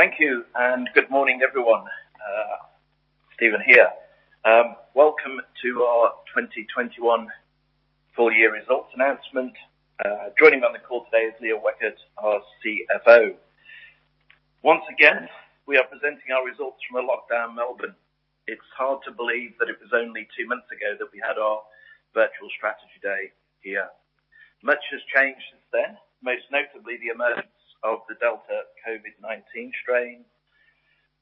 Thank you, good morning, everyone. Steven here. Welcome to our 2021 full year results announcement. Joining me on the call today is Leah Weckert, our CFO. Once again, we are presenting our results from a lockdown Melbourne. It's hard to believe that it was only two months ago that we had our virtual Strategy Day here. Much has changed since then, most notably the emergence of the Delta COVID-19 strain,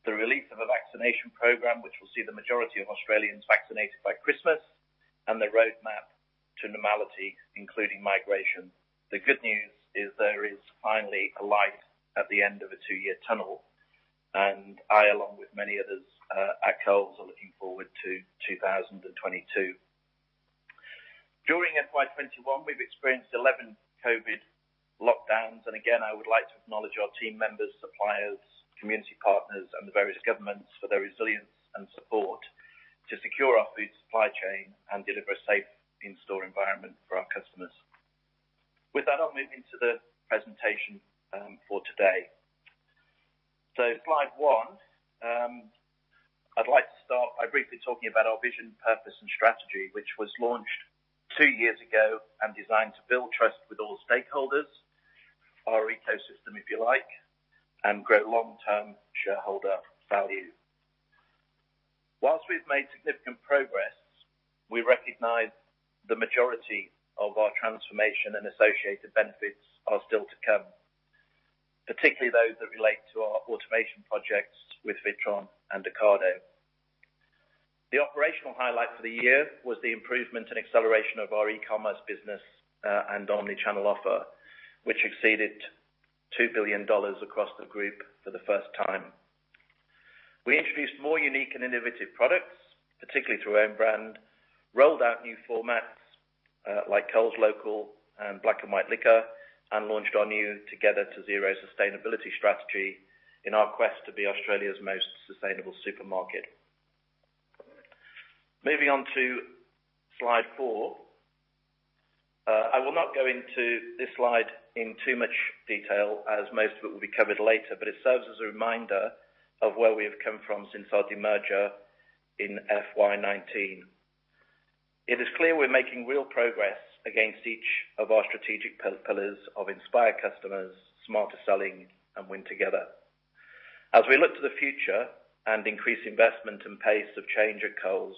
the release of a vaccination program, which will see the majority of Australians vaccinated by Christmas, and the roadmap to normality, including migration. The good news is there is finally a light at the end of a two-year tunnel, and I, along with many others at Coles, are looking forward to 2022. During FY 2021, we've experienced 11 COVID-lockdowns. Again, I would like to acknowledge our team members, suppliers, community partners, and the various governments for their resilience and support to secure our food supply chain and deliver a safe in-store environment for our customers. I'll move into the presentation for today. Slide one, I'd like to start by briefly talking about our vision, purpose, and strategy, which was launched two years ago and designed to build trust with all stakeholders, our ecosystem, if you like, and grow long-term shareholder value. Whilst we've made significant progress, we recognize the majority of our transformation and associated benefits are still to come, particularly those that relate to our automation projects with Witron and Ocado. The operational highlight for the year was the improvement and acceleration of our e-commerce business and omnichannel offer, which exceeded 2 billion dollars across the group for the first time. We introduced more unique and innovative products, particularly through own brand, rolled out new formats, like Coles Local and Black & White Liquor, and launched our new Together to Zero sustainability strategy in our quest to be Australia's most sustainable supermarket. Moving on to slide four. I will not go into this slide in too much detail, as most of it will be covered later, but it serves as a reminder of where we have come from since our demerger in FY 2019. It is clear we're making real progress against each of our strategic pillars of Inspire Customers, Smarter Selling, and Win Together. As we look to the future and increase investment and pace of change at Coles,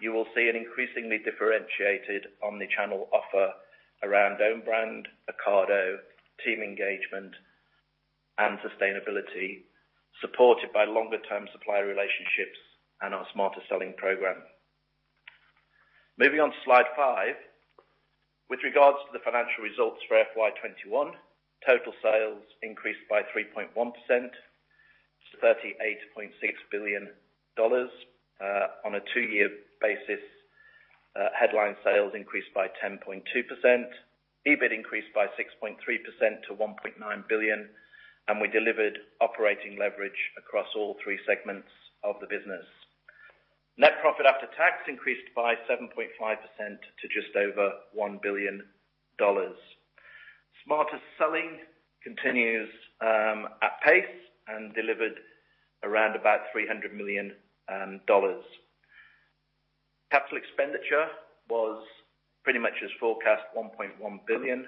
you will see an increasingly differentiated omni-channel offer around own brand, Ocado, team engagement, and sustainability, supported by longer-term supplier relationships and our Smarter Selling program. Moving on to slide five, with regards to the financial results for FY 2021, total sales increased by 3.1% to 38.6 billion dollars. On a two-year basis, headline sales increased by 10.2%, EBIT increased by 6.3% to 1.9 billion, and we delivered operating leverage across all three segments of the business. Net profit after tax increased by 7.5% to just over 1 billion dollars. Smarter Selling continues at pace and delivered around about 300 million dollars. Capital expenditure was pretty much as forecast, 1.1 billion.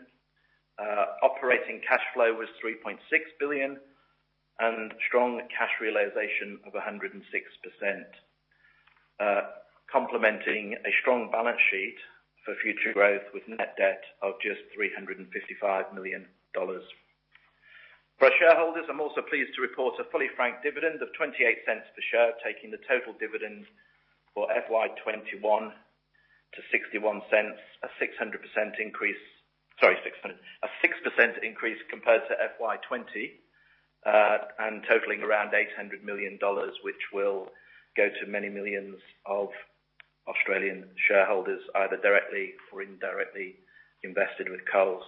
Operating cash flow was 3.6 billion, and strong cash realization of 106%, complementing a strong balance sheet for future growth with net debt of just 355 million dollars. For our shareholders, I'm also pleased to report a fully franked dividend of 0.28 per share, taking the total dividend for FY 2021 to 0.61, a 6% increase compared to FY 2020, and totaling around 800 million dollars, which will go to many millions of Australian shareholders, either directly or indirectly invested with Coles.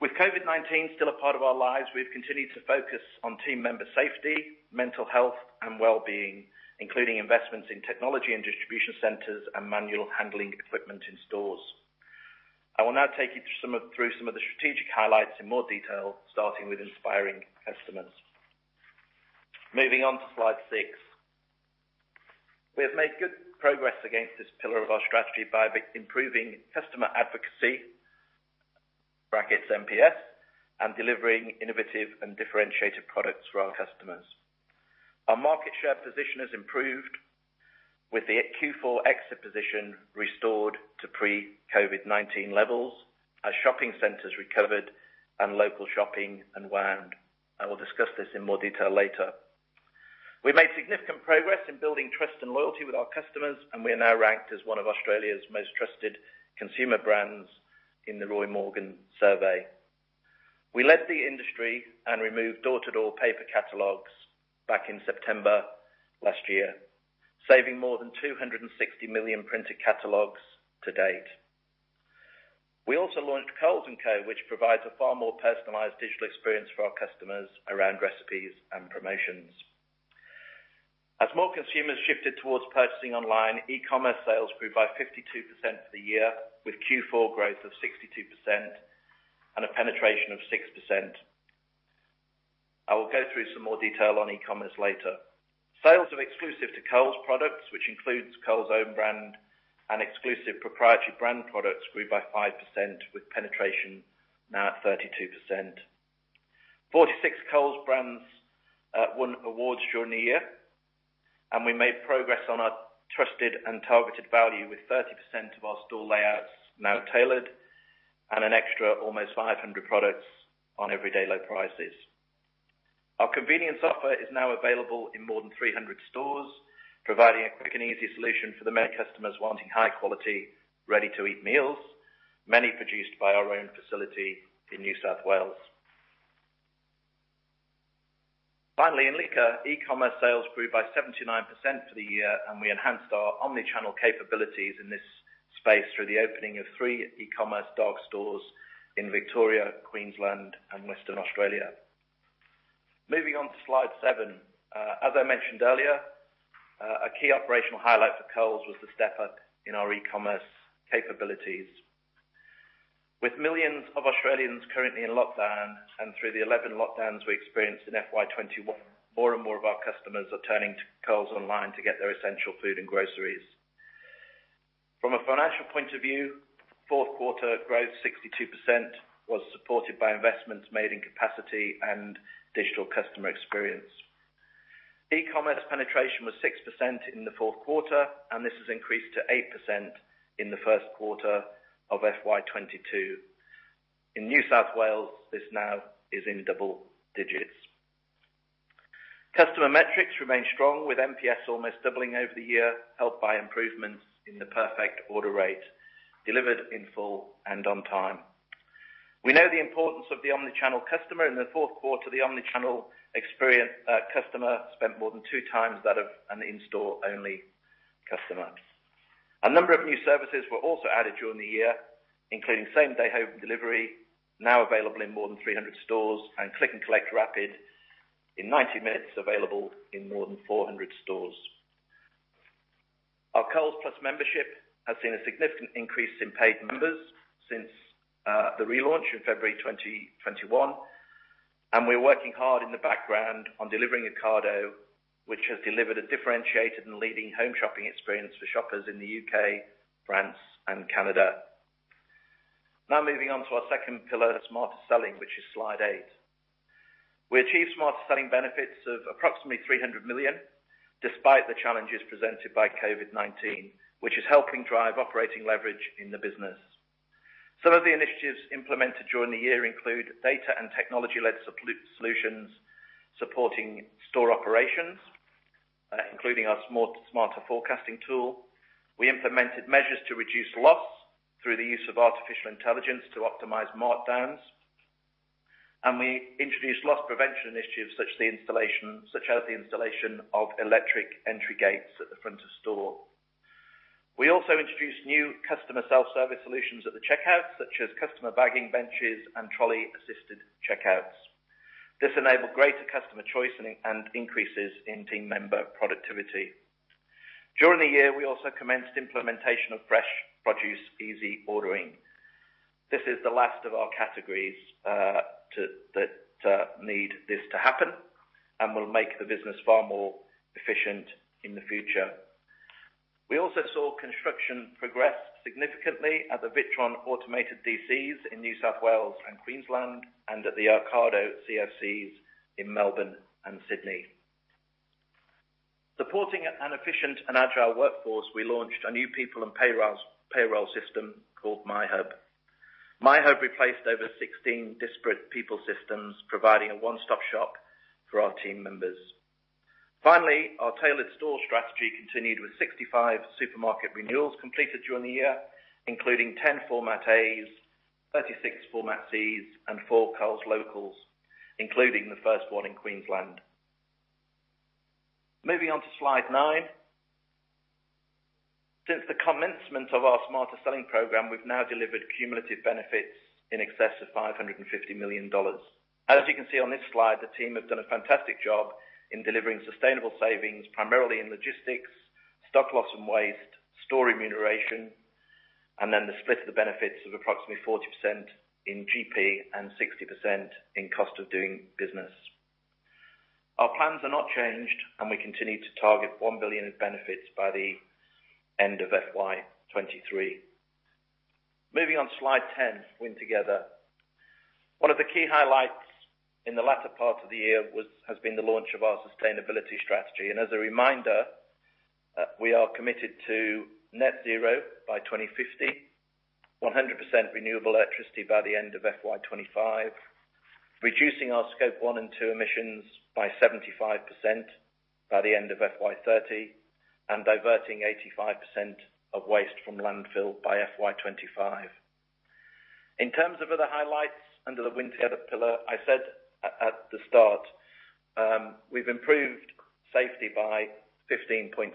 With COVID-19 still a part of our lives, we've continued to focus on team member safety, mental health, and well-being, including investments in technology and distribution centers and manual handling equipment in stores. I will now take you through some of the strategic highlights in more detail, starting with inspiring customers. Moving on to slide six. We have made good progress against this pillar of our strategy by improving customer advocacy (NPS) and delivering innovative and differentiated products for our customers. Our market share position has improved with the Q4 exit position restored to pre-COVID-19 levels as shopping centers recovered and local shopping unwound. I will discuss this in more detail later. We've made significant progress in building trust and loyalty with our customers, and we are now ranked as one of Australia's most trusted consumer brands in the Roy Morgan survey. We led the industry and removed door-to-door paper catalogs back in September last year, saving more than 260 million printed catalogs to-date. We also launched coles&co, which provides a far more personalized digital experience for our customers around recipes and promotions. As more consumers shifted towards purchasing online, e-commerce sales grew by 52% for the year, with Q4 growth of 62% and a penetration of 6%. I will go through some more detail on e-commerce later. Sales of exclusive-to-Coles products, which includes Coles Own Brand and exclusive proprietary brand products, grew by 5%, with penetration now at 32%. 46 Coles brands won awards during the year. We made progress on our trusted and targeted value with 30% of our store layouts now tailored and an extra almost 500 products on everyday low prices. Our convenience offer is now available in more than 300 stores, providing a quick and easy solution for the many customers wanting high quality, ready-to-eat meals, many produced by our own facility in New South Wales. Finally, in Liquor, e-commerce sales grew by 79% for the year. We enhanced our omnichannel capabilities in this space through the opening of three e-commerce dark stores in Victoria, Queensland, and Western Australia. Moving on to slide seven. As I mentioned earlier, a key operational highlight for Coles was the step up in our e-commerce capabilities. With millions of Australians currently in lockdown and through the 11 lockdowns we experienced in FY 2021, more and more of our customers are turning to Coles Online to get their essential food and groceries. From a financial point of view, fourth quarter growth 62% was supported by investments made in capacity and digital customer experience. E-commerce penetration was 6% in the fourth quarter, and this has increased to 8% in the first quarter of FY 2022. In New South Wales, this now is in double digits. Customer metrics remain strong, with NPS almost doubling over the year, helped by improvements in the perfect order rate delivered in full and on time. We know the importance of the omnichannel customer. In the fourth quarter, the omnichannel customer spent more than two times that of an in-store only customer. A number of new services were also added during the year, including same day home delivery, now available in more than 300 stores, Click & Collect Rapid in 90 minutes, available in more than 400 stores. Our Coles Plus membership has seen a significant increase in paid members since the relaunch in February 2021, we're working hard in the background on delivering Ocado, which has delivered a differentiated and leading home shopping experience for shoppers in the U.K., France, and Canada. Moving on to our second pillar, Smarter Selling, which is slide eight. We achieved Smarter Selling benefits of approximately 300 million, despite the challenges presented by COVID-19, which is helping drive operating leverage in the business. Some of the initiatives implemented during the year include data and technology-led solutions supporting store operations, including our smarter forecasting tool. We implemented measures to reduce loss through the use of artificial intelligence to optimize markdowns. We introduced loss prevention initiatives such as the installation of electric entry gates at the front of store. We also introduced new customer self-service solutions at the checkout, such as customer bagging benches and trolley assisted checkouts. This enabled greater customer choice and increases in team member productivity. During the year, we also commenced implementation of fresh produce easy ordering. This is the last of our categories that need this to happen and will make the business far more efficient in the future. We also saw construction progress significantly at the Witron automated DCs in New South Wales and Queensland and at the Ocado CFCs in Melbourne and Sydney. Supporting an efficient and agile workforce, we launched a new people and payroll system called myHub. myHub replaced over 16 disparate people systems, providing a one-stop shop for our team members. Finally, our tailored store strategy continued with 65 supermarket renewals completed during the year, including 10 Format A's, 36 Format C's, and four Coles Locals, including the first one in Queensland. Moving on to slide nine. Since the commencement of our Smarter Selling program, we've now delivered cumulative benefits in excess of 550 million dollars. As you can see on this slide, the team have done a fantastic job in delivering sustainable savings, primarily in logistics, stock loss and waste, store remuneration, and then the split of the benefits of approximately 40% in GP and 60% in cost of doing business. Our plans are not changed. We continue to target 1 billion in benefits by the end of FY 2023. Moving on slide 10, Win Together. One of the key highlights in the latter part of the year has been the launch of our sustainability strategy. As a reminder, we are committed to Net-zero by 2050, 100% renewable electricity by the end of FY 2025, reducing our Scope 1 and 2 emissions by 75% by the end of FY 2030, and diverting 85% of waste from landfill by FY 2025. In terms of other highlights under the Win Together pillar, I said at the start, we've improved safety by 15.7%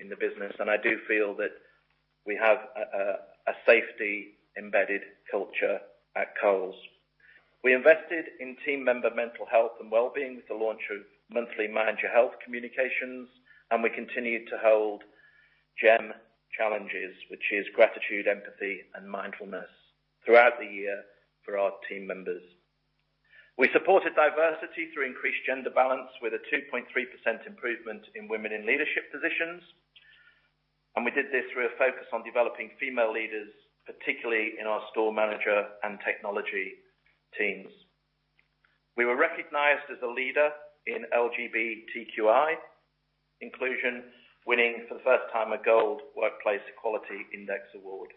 in the business, and I do feel that we have a safety embedded culture at Coles. We invested in team member mental health and wellbeing with the launch of monthly manager health communications, and we continued to hold GEM challenges, which is gratitude, empathy, and mindfulness, throughout the year for our team members. We supported diversity through increased gender balance with a 2.3% improvement in women in leadership positions. We did this through a focus on developing female leaders, particularly in our store manager and technology teams. We were recognized as a Leader in LGBTQI inclusion, winning for the first time a Gold Workplace Equality Index award.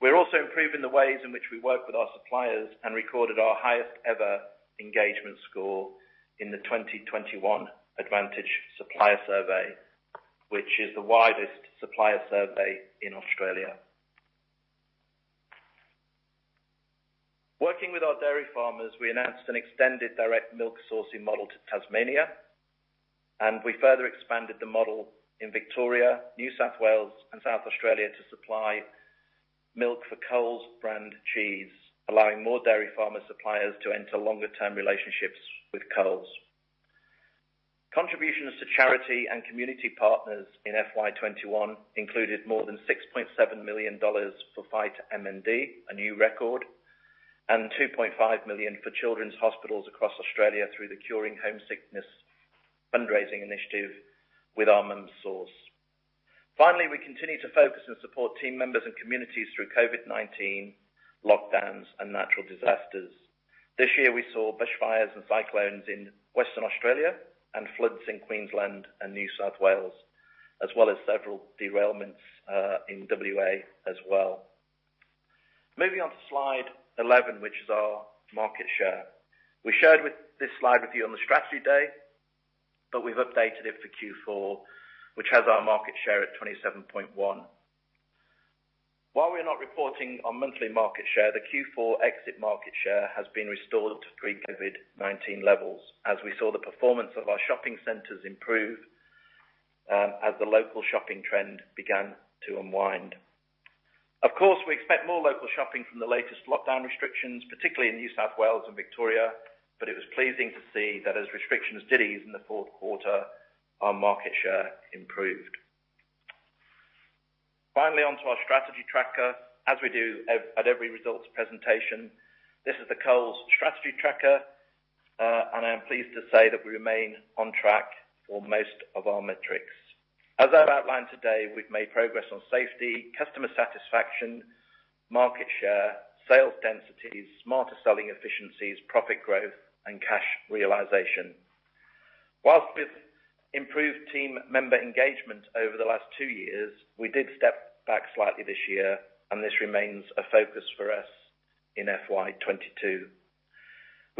We're also improving the ways in which we work with our suppliers and recorded our highest ever engagement score in the 2021 Advantage Supplier Survey, which is the widest supplier survey in Australia. Working with our dairy farmers, we announced an extended direct milk sourcing model to Tasmania. We further expanded the model in Victoria, New South Wales, and South Australia to supply milk for Coles brand cheese, allowing more dairy farmer suppliers to enter longer-term relationships with Coles. Contributions to charity and community partners in FY 2021 included more than 6.7 million dollars for FightMND, a new record, and 2.5 million for children's hospitals across Australia through the Curing Homesickness fundraising initiative with Mum's Sause. Finally, we continue to focus and support team members and communities through COVID-19 lockdowns and natural disasters. This year we saw bushfires and cyclones in Western Australia and floods in Queensland and New South Wales, as well as several derailments in W.A. as well. Moving on to slide 11, which is our market share. We shared this slide with you on the strategy day. We've updated it for Q4, which has our market share at 27.1%. While we're not reporting on monthly market share, the Q4 exit market share has been restored to pre-COVID-19 levels as we saw the performance of our shopping centers improve, as the local shopping trend began to unwind. Of course, we expect more local shopping from the latest lockdown restrictions, particularly in New South Wales and Victoria. It was pleasing to see that as restrictions did ease in the fourth quarter, our market share improved. Finally, on to our strategy tracker, as we do at every results presentation. This is the Coles strategy tracker, and I am pleased to say that we remain on track for most of our metrics. As I've outlined today, we've made progress on safety, customer satisfaction, market share, sales densities, Smarter Selling efficiencies, profit growth, and cash realization. Whilst we've improved team member engagement over the last two years, we did step back slightly this year, and this remains a focus for us in FY 2022.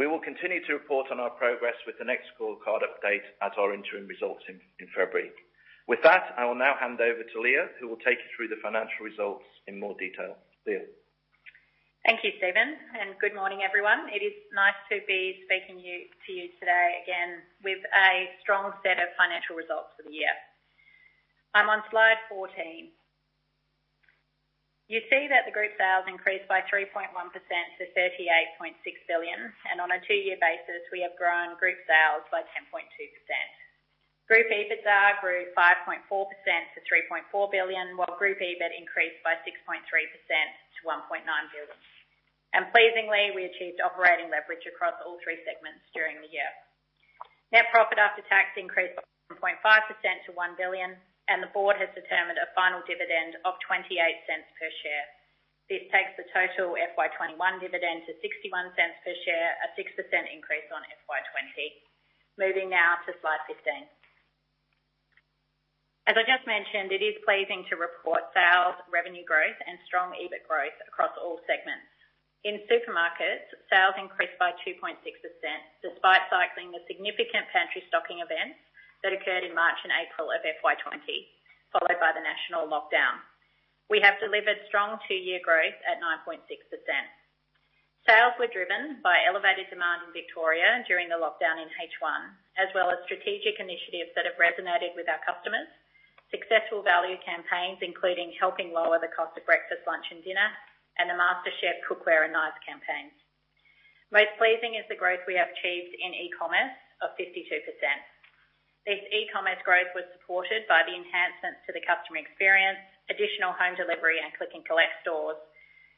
We will continue to report on our progress with the next scorecard update at our interim results in February. With that, I will now hand over to Leah, who will take you through the financial results in more detail. Leah. Thank you, Steven. Good morning, everyone. It is nice to be speaking to you today again with a strong set of financial results for the year. I'm on slide 14. You see that the group sales increased by 3.1% to 38.6 billion. On a two-year basis, we have grown group sales by 10.2%. Group EBITDA grew 5.4% to 3.4 billion, while Group EBIT increased by 6.3% to 1.9 billion. Pleasingly, we achieved operating leverage across all three segments during the year. Net profit after tax increased by 1.5% to 1 billion. The Board has determined a final dividend of 0.28 per share. This takes the total FY 2021 dividend to 0.61 per share, a 6% increase on FY 2020. Moving now to slide 15. As I just mentioned, it is pleasing to report sales, revenue growth, and strong EBIT growth across all segments. In supermarkets, sales increased by 2.6%, despite cycling the significant pantry stocking events that occurred in March and April of FY 2020, followed by the national lockdown. We have delivered strong two-year growth at 9.6%. Sales were driven by elevated demand in Victoria during the lockdown in H1, as well as strategic initiatives that have resonated with our customers, successful value campaigns, including helping lower the cost of breakfast, lunch, and dinner, and the MasterChef cookware and knives campaigns. Most pleasing is the growth we have achieved in e-commerce of 52%. This e-commerce growth was supported by the enhancements to the customer experience, additional home delivery, and Click & Collect stores,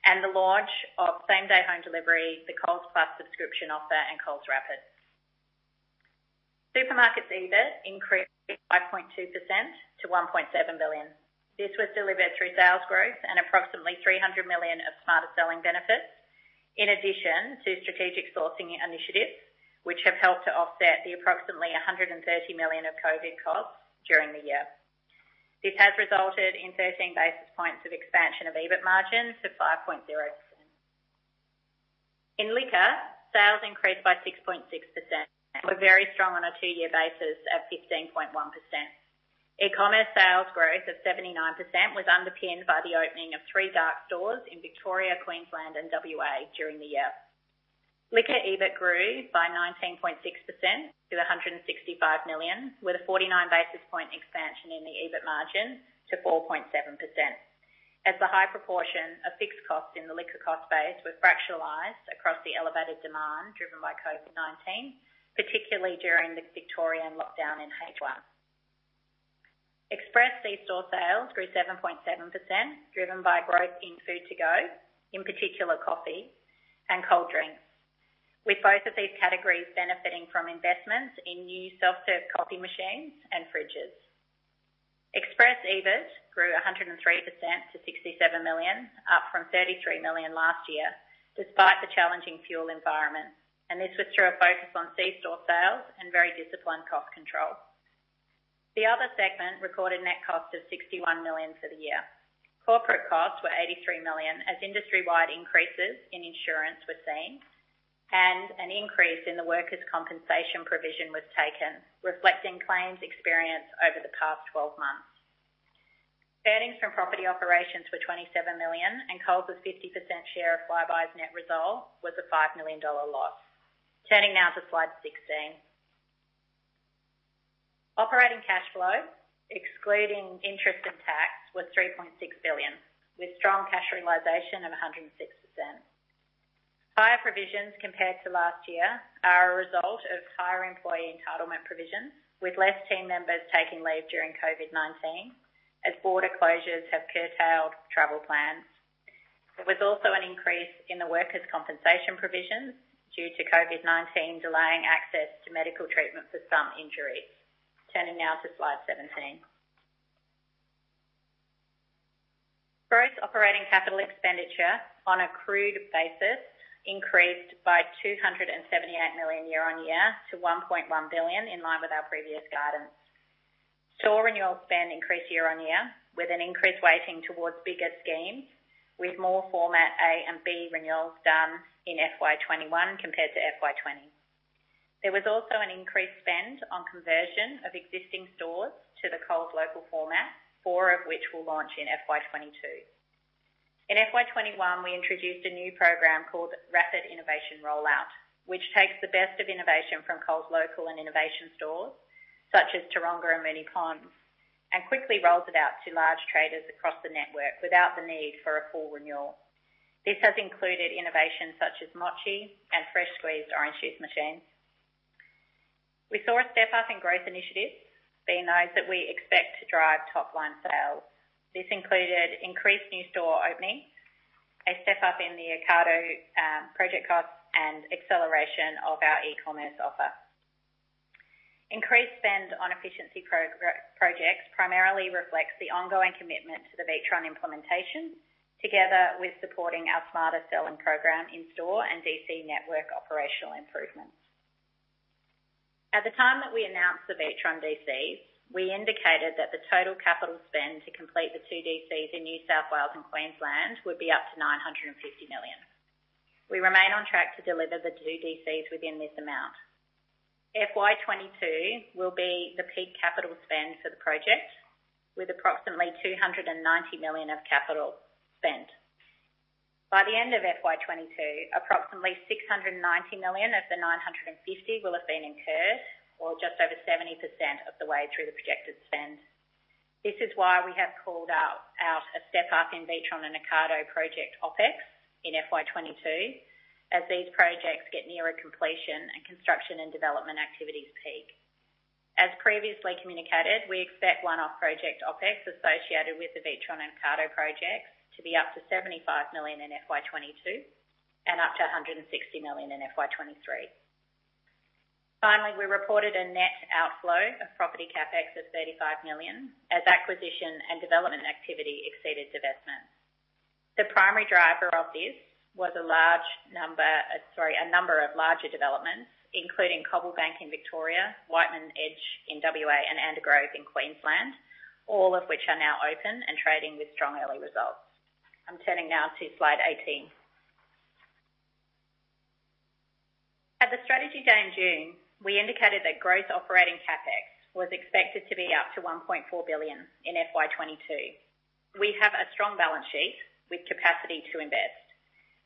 and the launch of same-day home delivery, the Coles Plus subscription offer, and Coles Rapid. Supermarkets EBIT increased by 5.2% to 1.7 billion. This was delivered through sales growth and approximately 300 million of Smarter Selling benefits, in addition to strategic sourcing initiatives, which have helped to offset the approximately 130 million of COVID-19 costs during the year. This has resulted in 13 basis points of expansion of EBIT margin to 5.0%. In Liquor, sales increased by 6.6%, and were very strong on a two-year basis at 15.1%. E-commerce sales growth of 79% was underpinned by the opening of three dark stores in Victoria, Queensland, and W.A. during the year. Liquor EBIT grew by 19.6% to 165 million, with a 49 basis point expansion in the EBIT margin to 4.7%. As the high proportion of fixed costs in the Liquor cost base were fractionalized across the elevated demand driven by COVID-19, particularly during the Victorian lockdown in H1. Express c-store sales grew 7.7%, driven by growth in food to go, in particular, coffee and cold drinks, with both of these categories benefiting from investments in new self-serve coffee machines and fridges. Express EBIT grew 103% to 67 million, up from 33 million last year, despite the challenging fuel environment, and this was through a focus on c-store sales and very disciplined cost control. The other segment recorded net costs of 61 million for the year. Corporate costs were 83 million, as industry-wide increases in insurance were seen and an increase in the workers' compensation provision was taken, reflecting claims experience over the past 12 months. Earnings from property operations were 27 million and Coles' 50% share of Flybuys' net result was an 5 million dollar loss. Turning now to slide 16. Operating cash flow, excluding interest and tax, was 3.6 billion, with strong cash realization of 106%. Higher provisions compared to last year are a result of higher employee entitlement provisions, with less team members taking leave during COVID-19, as border closures have curtailed travel plans. There was also an increase in the workers' compensation provisions due to COVID-19 delaying access to medical treatment for some injuries. Turning now to slide 17. Gross operating capital expenditure on accrude basis increased by 278 million year-on-year to 1.1 billion in line with our previous guidance. Store renewal spend increased year-on-year, with an increased weighting towards bigger schemes, with more Format A and B renewals done in FY 2021 compared to FY 2020. There was also an increased spend on conversion of existing stores to the Coles Local format, four of which will launch in FY 2022. In FY 2021, we introduced a new program called Rapid Innovation Rollout, which takes the best of innovation from Coles Local and Innovation stores, such as Tooronga and Moonee Ponds, and quickly rolls it out to large traders across the network without the need for a full renewal. This has included innovations such as mochi and fresh-squeezed orange juice machines. We saw a step up in growth initiatives, being those that we expect to drive top-line sales. This included increased new store openings, a step-up in the Ocado project costs, and acceleration of our e-commerce offer. Increased spend on efficiency projects primarily reflects the ongoing commitment to the Witron implementation, together with supporting our Smarter Selling program in-store and DC network operational improvements. At the time that we announced the Witron DCs, we indicated that the total capital spend to complete the two DCs in New South Wales and Queensland would be up to 950 million. We remain on track to deliver the two DCs within this amount. FY 2022 will be the peak capital spend for the project, with approximately 290 million of capital spent. By the end of FY 2022, approximately 690 million of the 950 will have been incurred or just over 70% of the way through the projected spend. This is why we have called out a step up in Witron and Ocado project OpEx in FY 2022 as these projects get nearer completion and construction and development activities peak. As previously communicated, we expect one-off project OpEx associated with the Witron and Ocado projects to be up to 75 million in FY 2022 and up to 160 million in FY 2023. Finally, we reported a net outflow of property CapEx of 35 million as acquisition and development activity exceeded divestments. The primary driver of this was a number of larger developments, including Cobblebank in Victoria, Whiteman Edge in W.A., and Andergrove in Queensland, all of which are now open and trading with strong early results. I'm turning now to slide 18. At the Strategy Day in June, we indicated that gross operating CapEx was expected to be up to 1.4 billion in FY 2022. We have a strong balance sheet with capacity to invest.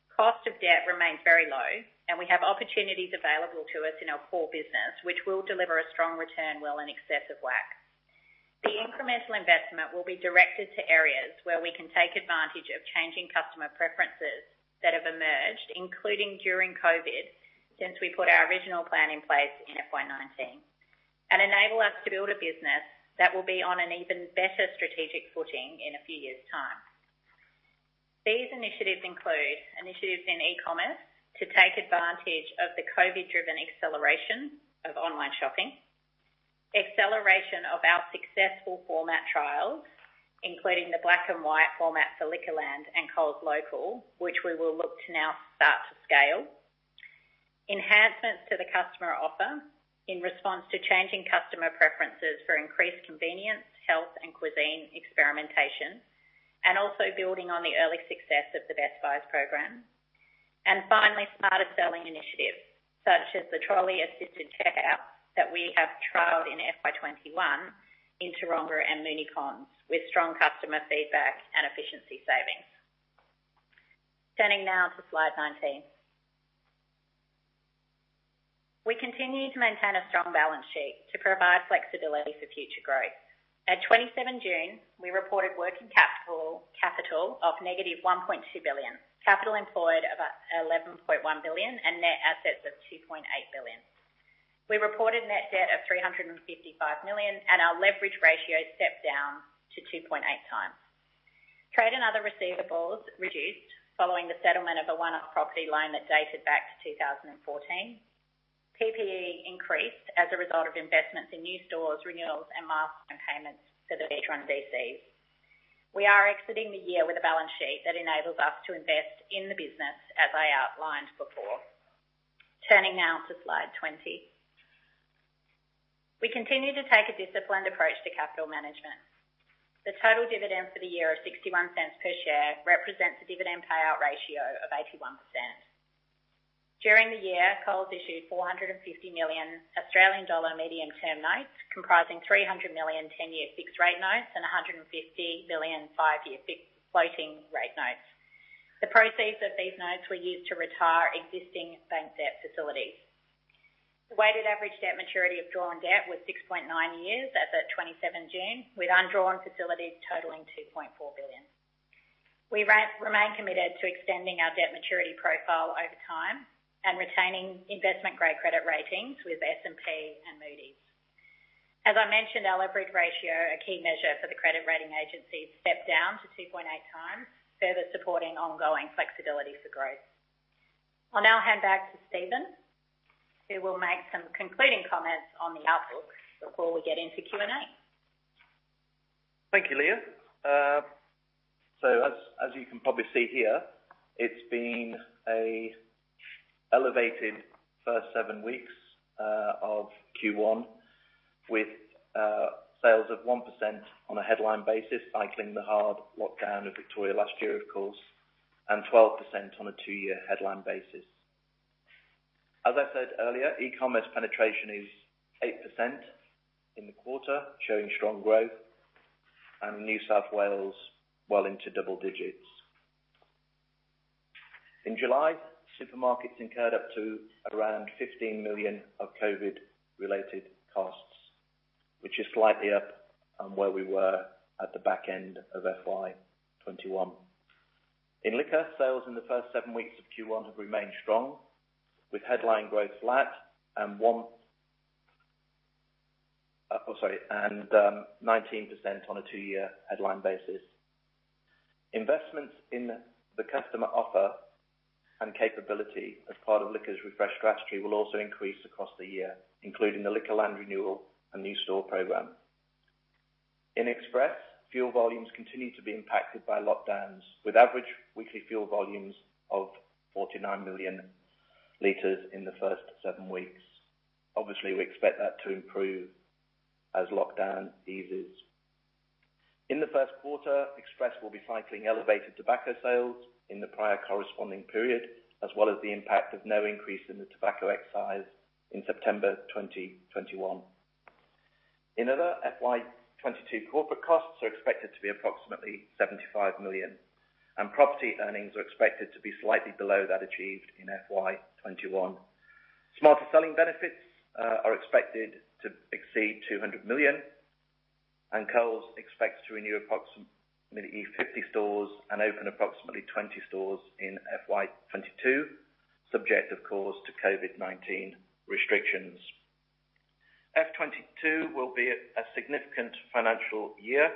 Cost of debt remains very low, we have opportunities available to us in our core business, which will deliver a strong return well in excess of WACC. The incremental investment will be directed to areas where we can take advantage of changing customer preferences that have emerged, including during COVID-19, since we put our original plan in place in FY 2019, and enable us to build a business that will be on an even better strategic footing in a few years' time. These initiatives include initiatives in e-commerce to take advantage of the COVID-driven acceleration of online shopping, acceleration of our successful format trials, including the Black & White format for Liquorland and Coles Local, which we will look to now start to scale, enhancements to the customer offer in response to changing customer preferences for increased convenience, health, and cuisine experimentation, and also building on the early success of the Best Buys program. Finally, Smarter Selling initiatives, such as the trolley-assisted checkout that we have trialed in FY 2021 in Tooronga and Moonee Ponds with strong customer feedback and efficiency savings. Turning now to slide 19. We continue to maintain a strong balance sheet to provide flexibility for future growth. At 27 June, we reported working capital of -1.2 billion, capital employed of 11.1 billion, and net assets of 2.8 billion. We reported net debt of 355 million, and our leverage ratio stepped down to 2.8x. Trade and other receivables reduced following the settlement of a one-off property loan that dated back to 2014. PPE increased as a result of investments in new stores, renewals, and milestone payments for the Witron DCs. We are exiting the year with a balance sheet that enables us to invest in the business as I outlined before. Turning now to slide 20. We continue to take a disciplined approach to capital management. The total dividend for the year of 0.61 per share represents a dividend payout ratio of 81%. During the year, Coles issued 450 million Australian dollar medium-term notes, comprising 300 million 10-year fixed rate notes and 150 million five-year floating rate notes. The proceeds of these notes were used to retire existing bank debt facilities. The weighted average debt maturity of drawn debt was 6.9 years as at 27 June, with undrawn facilities totaling 2.4 billion. We remain committed to extending our debt maturity profile over time and retaining investment-grade credit ratings with S&P and Moody's. As I mentioned, our leverage ratio, a key measure for the credit rating agencies, stepped down to 2.8x, further supporting ongoing flexibility for growth. I'll now hand back to Steven, who will make some concluding comments on the outlook before we get into Q&A. Thank you, Leah. As you can probably see here, it's been a elevated first seven weeks of Q1, with sales of 1% on a headline basis, cycling the hard lockdown of Victoria last year, of course, and 12% on a two-year headline basis. As I said earlier, e-commerce penetration is 8% in the quarter, showing strong growth, and New South Wales well into double digits. In July, supermarkets incurred up to around 15 million of COVID-related costs, which is slightly up on where we were at the back end of FY 2021. In Liquor, sales in the first seven weeks of Q1 have remained strong with headline growth flat and 19% on a two-year headline basis. Investments in the customer offer and capability as part of Liquor's refresh strategy will also increase across the year, including the Liquorland renewal and new store program. In Express, fuel volumes continue to be impacted by lockdowns, with average weekly fuel volumes of 49 million L in the first seven weeks. Obviously, we expect that to improve as lockdown eases. In the first quarter, Express will be cycling elevated tobacco sales in the prior corresponding period, as well as the impact of no increase in the tobacco excise in September 2021. In other FY 2022 corporate costs are expected to be approximately 75 million, and property earnings are expected to be slightly below that achieved in FY 2021. Smarter Selling benefits are expected to exceed 200 million, and Coles expects to renew approximately 50 stores and open approximately 20 stores in FY 2022, subject of course, to COVID-19 restrictions. F2022 will be a significant financial year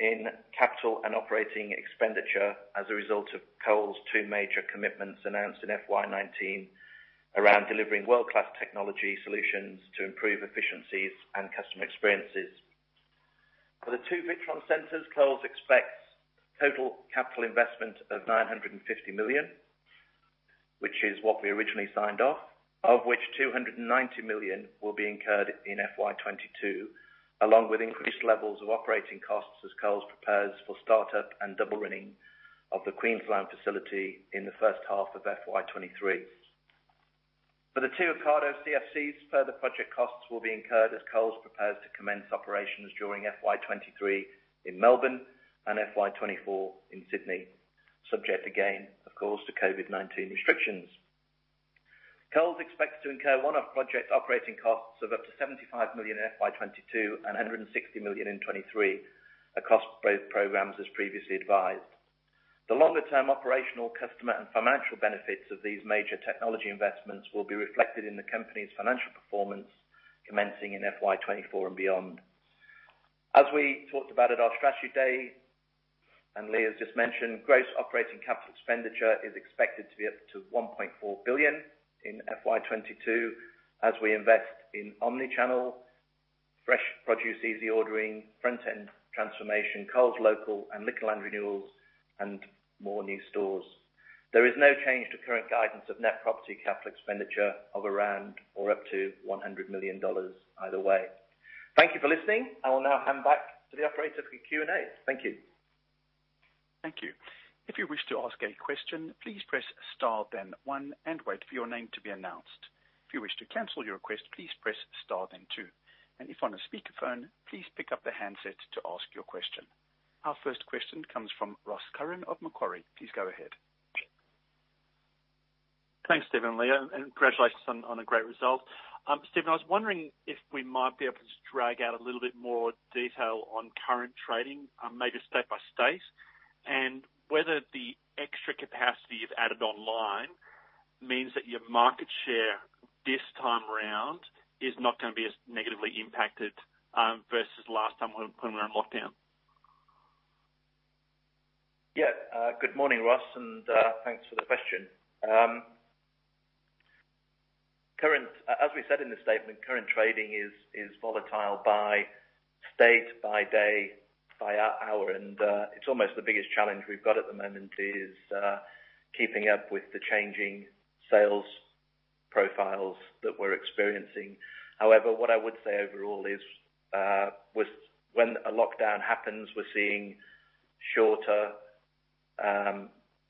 in capital and operating expenditure as a result of Coles' two major commitments announced in FY 2019 around delivering world-class technology solutions to improve efficiencies and customer experiences. For the two Witron centers, Coles expects total capital investment of 950 million, which is what we originally signed off, of which 290 million will be incurred in FY 2022, along with increased levels of operating costs as Coles prepares for startup and double running of the Queensland facility in the first half of FY 2023. For the two Ocado CFCs, further project costs will be incurred as Coles prepares to commence operations during FY 2023 in Melbourne and FY 2024 in Sydney, subject again, of course, to COVID-19 restrictions. Coles expects to incur one-off project operating costs of up to 75 million in FY 2022 and 160 million in FY 2023, across both programs as previously advised. The longer-term operational customer and financial benefits of these major technology investments will be reflected in the company's financial performance commencing in FY 2024 and beyond. As we talked about at our strategy day, and Leah's just mentioned, gross operating capital expenditure is expected to be up to 1.4 billion in FY 2022 as we invest in omnichannel, fresh produce, easy ordering, front-end transformation, Coles Local, and Liquorland renewals and more new stores. There is no change to current guidance of net property capital expenditure of around or up to 100 million dollars either way. Thank you for listening. I will now hand back to the operator for Q&A. Thank you. Thank you. If you wish to ask a question press star then one and wait for your name to be announced. If you wish to cancel your question press star then two. And if in a speakerphone please pick up the handset to ask your question. Our first question comes from Ross Curran of Macquarie. Please go ahead. Thanks, Steve and Leah, and congratulations on a great result. Steve, I was wondering if we might be able to just drag out a little bit more detail on current trading, maybe state by state, and whether the extra capacity you've added online means that your market share this time around is not going to be as negatively impacted, versus last time when we were on lockdown. Good morning, Ross, thanks for the question. As we said in the statement, current trading is volatile by state, by day, by hour. It's almost the biggest challenge we've got at the moment, is keeping up with the changing sales profiles that we're experiencing. However, what I would say overall is, when a lockdown happens, we're seeing shorter,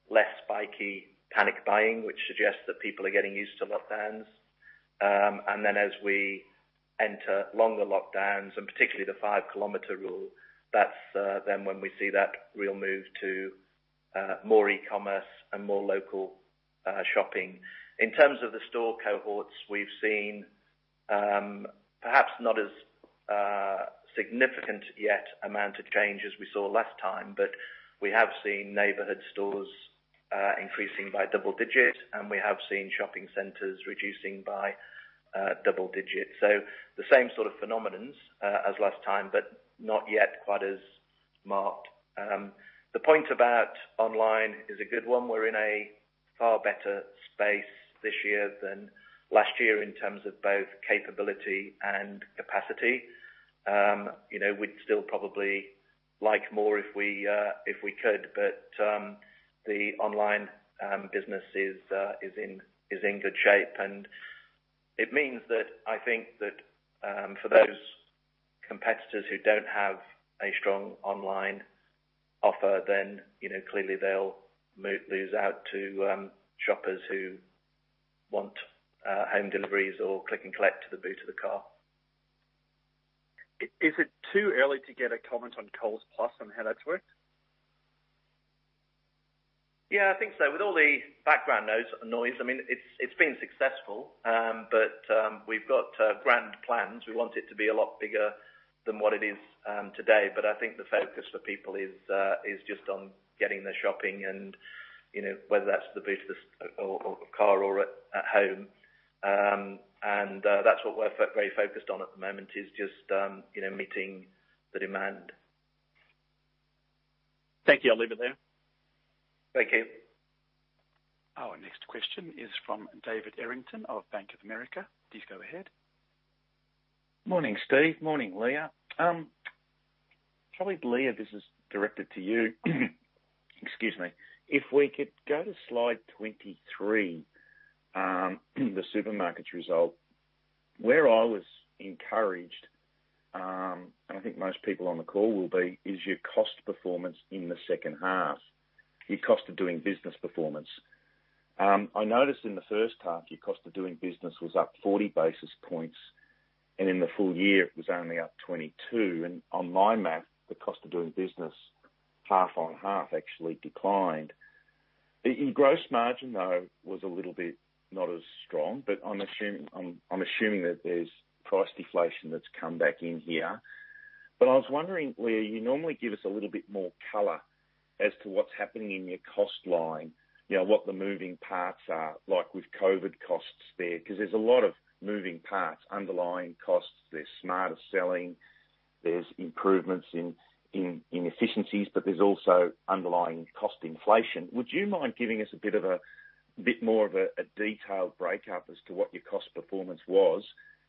less spiky panic buying, which suggests that people are getting used to lockdowns. As we enter longer lockdowns, particularly the 5-km rule, that's then when we see that real move to more e-commerce and more local shopping. In terms of the store cohorts, we've seen perhaps not as significant yet amount of change as we saw last time, but we have seen neighborhood stores increasing by double-digit. We have seen shopping centers reducing by double-digit. The same sort of phenomenons as last time, but not yet quite as marked. The point about online is a good one. We're in a far better space this year than last year in terms of both capability and capacity. We'd still probably like more if we could, but the online business is in good shape. It means that I think that for those competitors who don't have a strong online offer, then clearly they'll lose out to shoppers who want home deliveries or Click & Collect to the boot of the car. Is it too early to get a comment on Coles Plus and how that's worked? Yeah, I think so. With all the background noise, it's been successful. We've got grand plans. We want it to be a lot bigger than what it is today. I think the focus for people is just on getting their shopping and whether that's to the boot of the car or at home. That's what we're very focused on at the moment, is just meeting the demand. Thank you. I'll leave it there. Thank you. Our next question is from David Errington of Bank of America. Please go ahead. Morning, Steve. Morning, Leah. Probably, Leah, this is directed to you. Excuse me. If we could go to slide 23, the supermarkets result. Where I was encouraged, and I think most people on the call will be, is your cost performance in the second half, your cost of doing business performance. I noticed in the first half, your cost of doing business was up 40 basis points, and in the full year it was only up 22. On my math, the cost of doing business half on half actually declined. Your gross margin, though, was a little bit not as strong, but I am assuming that there is price deflation that has come back in here. I was wondering, Leah, you normally give us a little bit more color as to what is happening in your cost line, what the moving parts are, like with COVID costs there. There's a lot of moving parts, underlying costs. There's Smarter Selling, there's improvements in efficiencies, but there's also underlying cost inflation. Would you mind giving us a bit more of a detailed breakup as to what your cost performance was?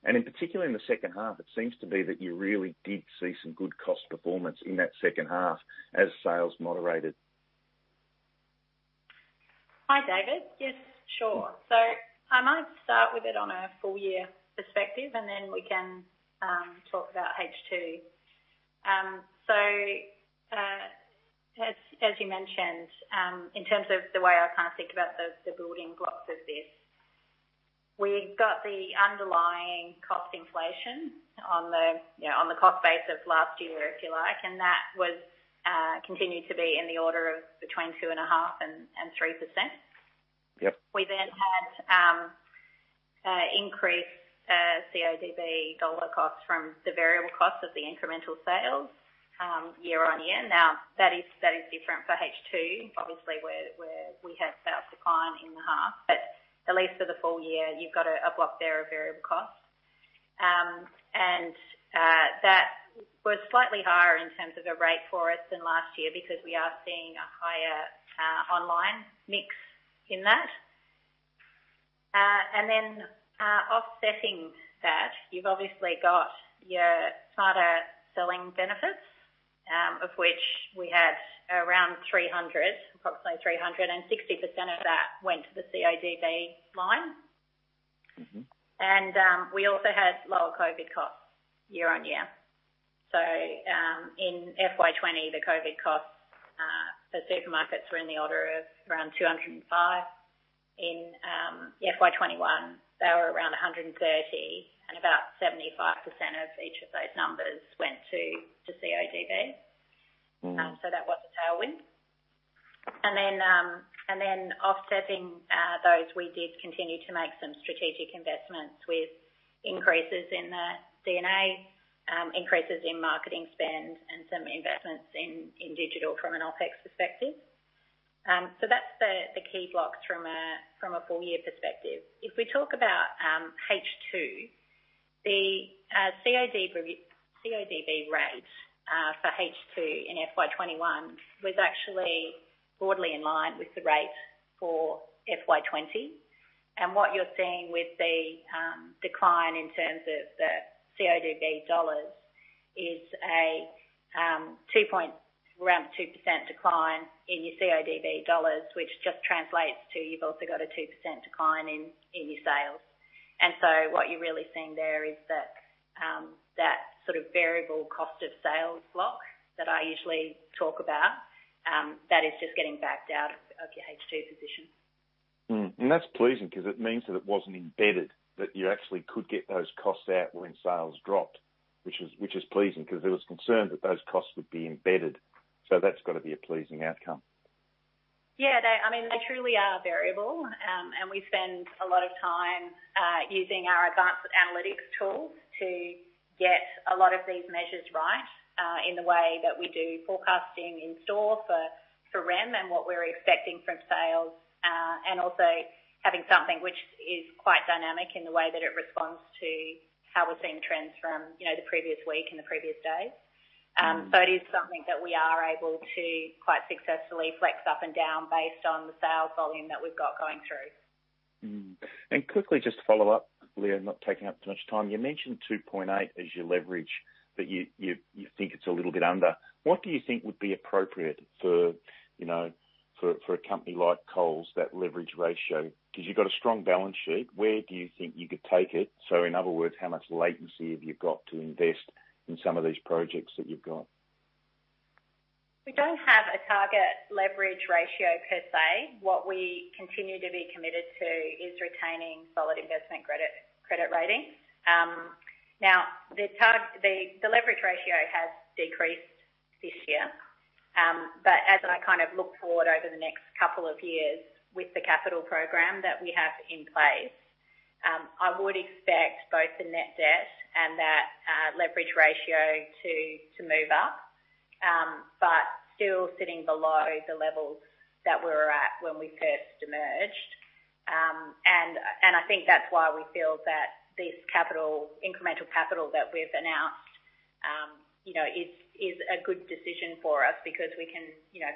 In particular, in the second half, it seems to be that you really did see some good cost performance in that second half as sales moderated. Hi, David. Yes, sure. I might start with it on a full year perspective, and then we can talk about H2. As you mentioned, in terms of the way I think about the building blocks of this, we've got the underlying cost inflation on the cost base of last year, if you like, and that continued to be in the order of between 2.5% and 3%. Yep. We had increased CODB dollar costs from the variable costs of the incremental sales year-over-year. That is different for H2, obviously, where we had sales decline in the half. At least for the full year, you've got a block there of variable costs. That was slightly higher in terms of a rate for us than last year because we are seeing a higher online mix in that. Offsetting that, you've obviously got your Smarter Selling benefits, of which we had around 300, approximately 300, and 60% of that went to the CODB line. We also had lower COVID costs year-on-year. In FY 2020, the COVID costs were in the order of around 205. In FY 2021 they were around 130, and about 75% of each of those numbers went to CODB. That was a tailwind. Offsetting those, we did continue to make some strategic investments with increases in the D&A, increases in marketing spend, and some investments in digital from an OpEx perspective. That's the key blocks from a full year perspective. If we talk about H2, the CODB rate for H2 in FY 2021 was actually broadly in line with the rate for FY 2020. What you're seeing with the decline in terms of the CODB dollars is around a 2% decline in your CODB dollars, which just translates to, you've also got a 2% decline in your sales. What you're really seeing there is that sort of variable cost of sales block that I usually talk about, that is just getting backed out of your H2 position. That's pleasing because it means that it wasn't embedded, that you actually could get those costs out when sales dropped, which is pleasing because there was concern that those costs would be embedded. That's got to be a pleasing outcome. Yeah. They truly are variable, and we spend a lot of time using our advanced analytics tools to get a lot of these measures right in the way that we do forecasting in store for REM and what we're expecting from sales, and also having something which is quite dynamic in the way that it responds to how we're seeing trends from the previous week and the previous day. It is something that we are able to quite successfully flex up and down based on the sales volume that we've got going through. Quickly, just to follow up, Leah, not taking up too much time, you mentioned 2.8x as your leverage, but you think it's a little bit under. What do you think would be appropriate for a company like Coles, that leverage ratio? Because you've got a strong balance sheet, where do you think you could take it? In other words, how much latency have you got to invest in some of these projects that you've got? We don't have a target leverage ratio per se. What we continue to be committed to is retaining solid investment credit rating. The leverage ratio has decreased this year, but as I kind of look forward over the next couple of years with the capital program that we have in place, I would expect both the net debt and that leverage ratio to move up, but still sitting below the levels that we were at when we first emerged. I think that's why we feel that this incremental capital that we've announced is a good decision for us because we can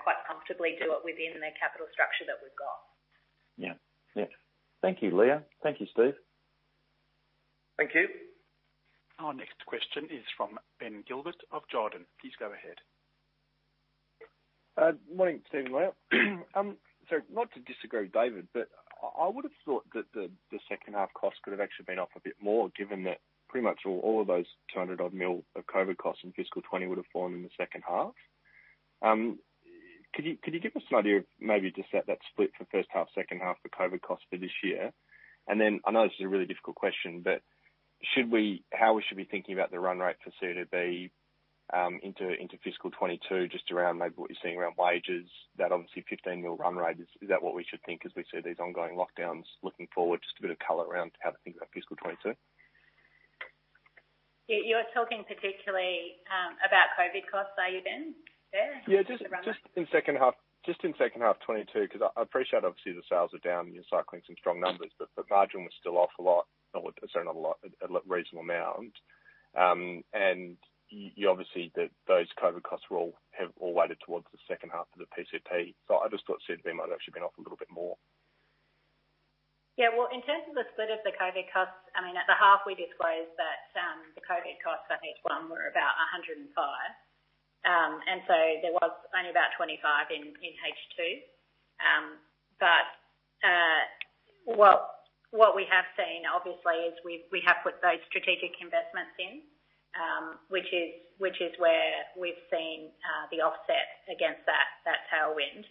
quite comfortably do it within the capital structure that we've got. Yeah. Thank you, Leah. Thank you, Steve. Thank you. Our next question is from Ben Gilbert of Jarden. Please go ahead. Morning, Steve and Leah. Sorry, not to disagree, David, but I would have thought that the second half cost could have actually been up a bit more, given that pretty much all of those 200 million odd of COVID costs in fiscal 2020 would have fallen in the second half. Could you give us an idea of maybe just that split for first half, second half for COVID costs for this year? Then I know this is a really difficult question, but how we should be thinking about the run-rate for CODB into fiscal 2022, just around maybe what you're seeing around wages, that obviously 15 million run-rate. Is that what we should think as we see these ongoing lockdowns? Looking forward, just a bit of color around how to think about fiscal 2022? You're talking particularly about COVID costs, are you, Ben, there? Yeah, just in second half 2022, because I appreciate, obviously, the sales are down, you're cycling some strong numbers. The margin was still off a lot. I say not a lot, a reasonable amount. Obviously, those COVID costs have all weighted towards the second half of the PCP. I just thought CODB might have actually been off a little bit more. Well, in terms of the split of the COVID costs, at the half, we disclosed that the COVID costs for H1 were about 105. There was only about 25 in H2. What we have seen, obviously, is we have put those strategic investments in, which is where we've seen the offset against that tailwind.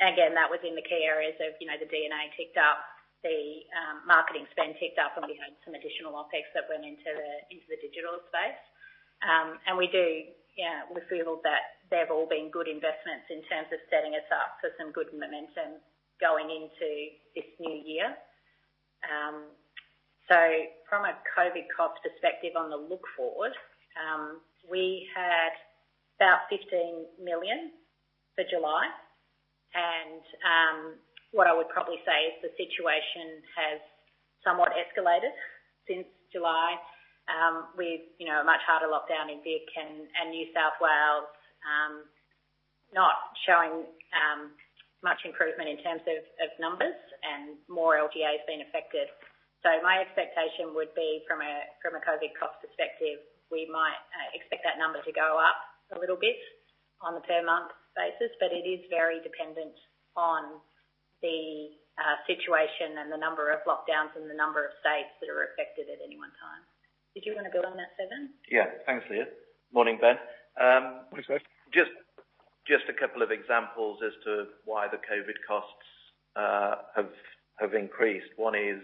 Again, that was in the key areas of the D&A ticked up, the marketing spend ticked up, and we had some additional OpEx that went into the digital space. We feel that they've all been good investments in terms of setting us up for some good momentum going into this new year. From a COVID cost perspective on the look-forward, we had about 15 million for July, and what I would probably say is the situation has somewhat escalated since July with a much harder lockdown in Vic and New South Wales not showing much improvement in terms of numbers and more LGAs being affected. My expectation would be from a COVID cost perspective, we might expect that number to go up a little bit on a per month basis, but it is very dependent on the situation and the number of lockdowns and the number of states that are affected at any one time. Did you want to go on that, Steven? Yeah. Thanks, Leah. Morning, Ben. Morning, Steve. Just a couple of examples as to why the COVID costs have increased. One is,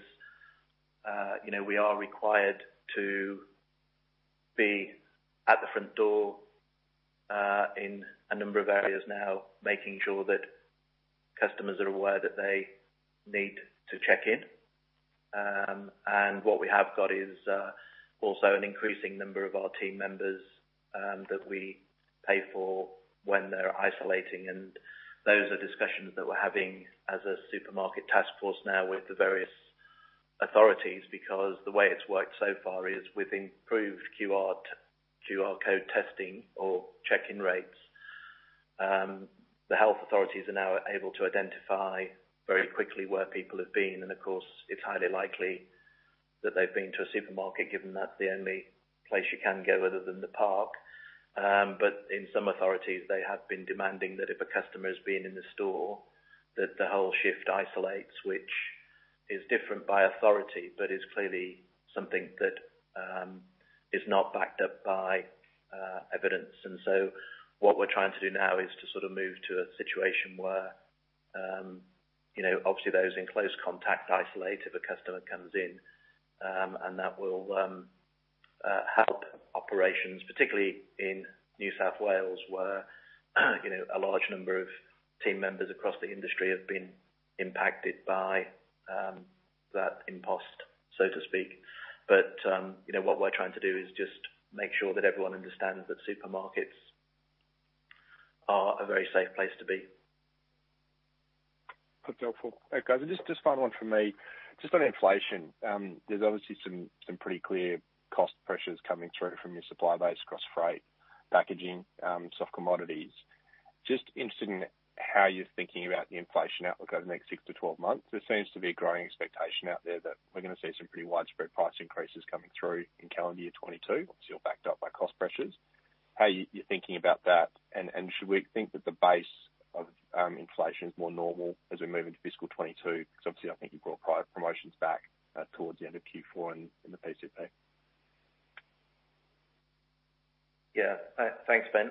we are required to be at the front door in a number of areas now, making sure that customers are aware that they need to check in. What we have got is also an increasing number of our team members that we pay for when they're isolating. Those are discussions that we're having as a supermarket task force now with the various authorities, because the way it's worked so far is with improved QR code testing or check-in rates, the health authorities are now able to identify very quickly where people have been. Of course, it's highly likely that they've been to a supermarket, given that's the only place you can go other than the park. In some authorities, they have been demanding that if a customer has been in the store, that the whole shift isolates, which is different by authority, but is clearly something that is not backed up by evidence. What we're trying to do now is to move to a situation where, obviously those in close contact isolate if a customer comes in, and that will help operations, particularly in New South Wales, where a large number of team members across the industry have been impacted by that impost, so to speak. What we're trying to do is just make sure that everyone understands that supermarkets are a very safe place to be. That's helpful. Okay. Final one from me, just on inflation. There's obviously some pretty clear cost pressures coming through from your supply base across freight, packaging, soft commodities. Interested in how you're thinking about the inflation outlook over the next 6 to 12 months. There seems to be a growing expectation out there that we're going to see some pretty widespread price increases coming through in calendar year 2022, obviously all backed up by cost pressures. How are you thinking about that, and should we think that the base of inflation is more normal as we move into fiscal 2022? Obviously, I think you brought price promotions back towards the end of Q4 in the PCP. Yeah. Thanks, Ben.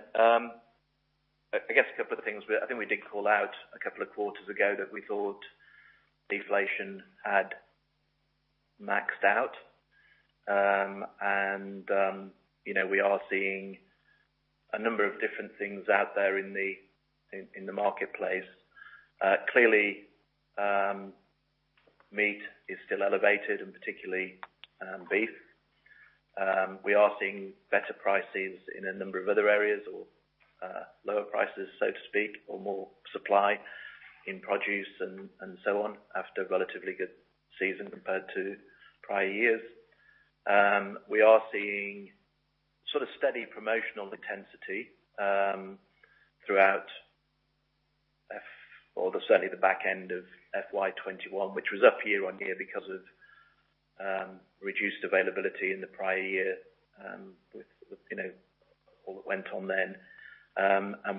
I guess two things. I think we did call out two quarters ago that we thought deflation had maxed out. We are seeing a number of different things out there in the marketplace. Clearly, meat is still elevated, and particularly beef. We are seeing better prices in a number of other areas, or lower prices, so to speak, or more supply in produce and so on, after a relatively good season compared to prior years. We are seeing steady promotional intensity throughout, or certainly the back end of FY 2021, which was up year-over-year because of reduced availability in the prior year, with all that went on then.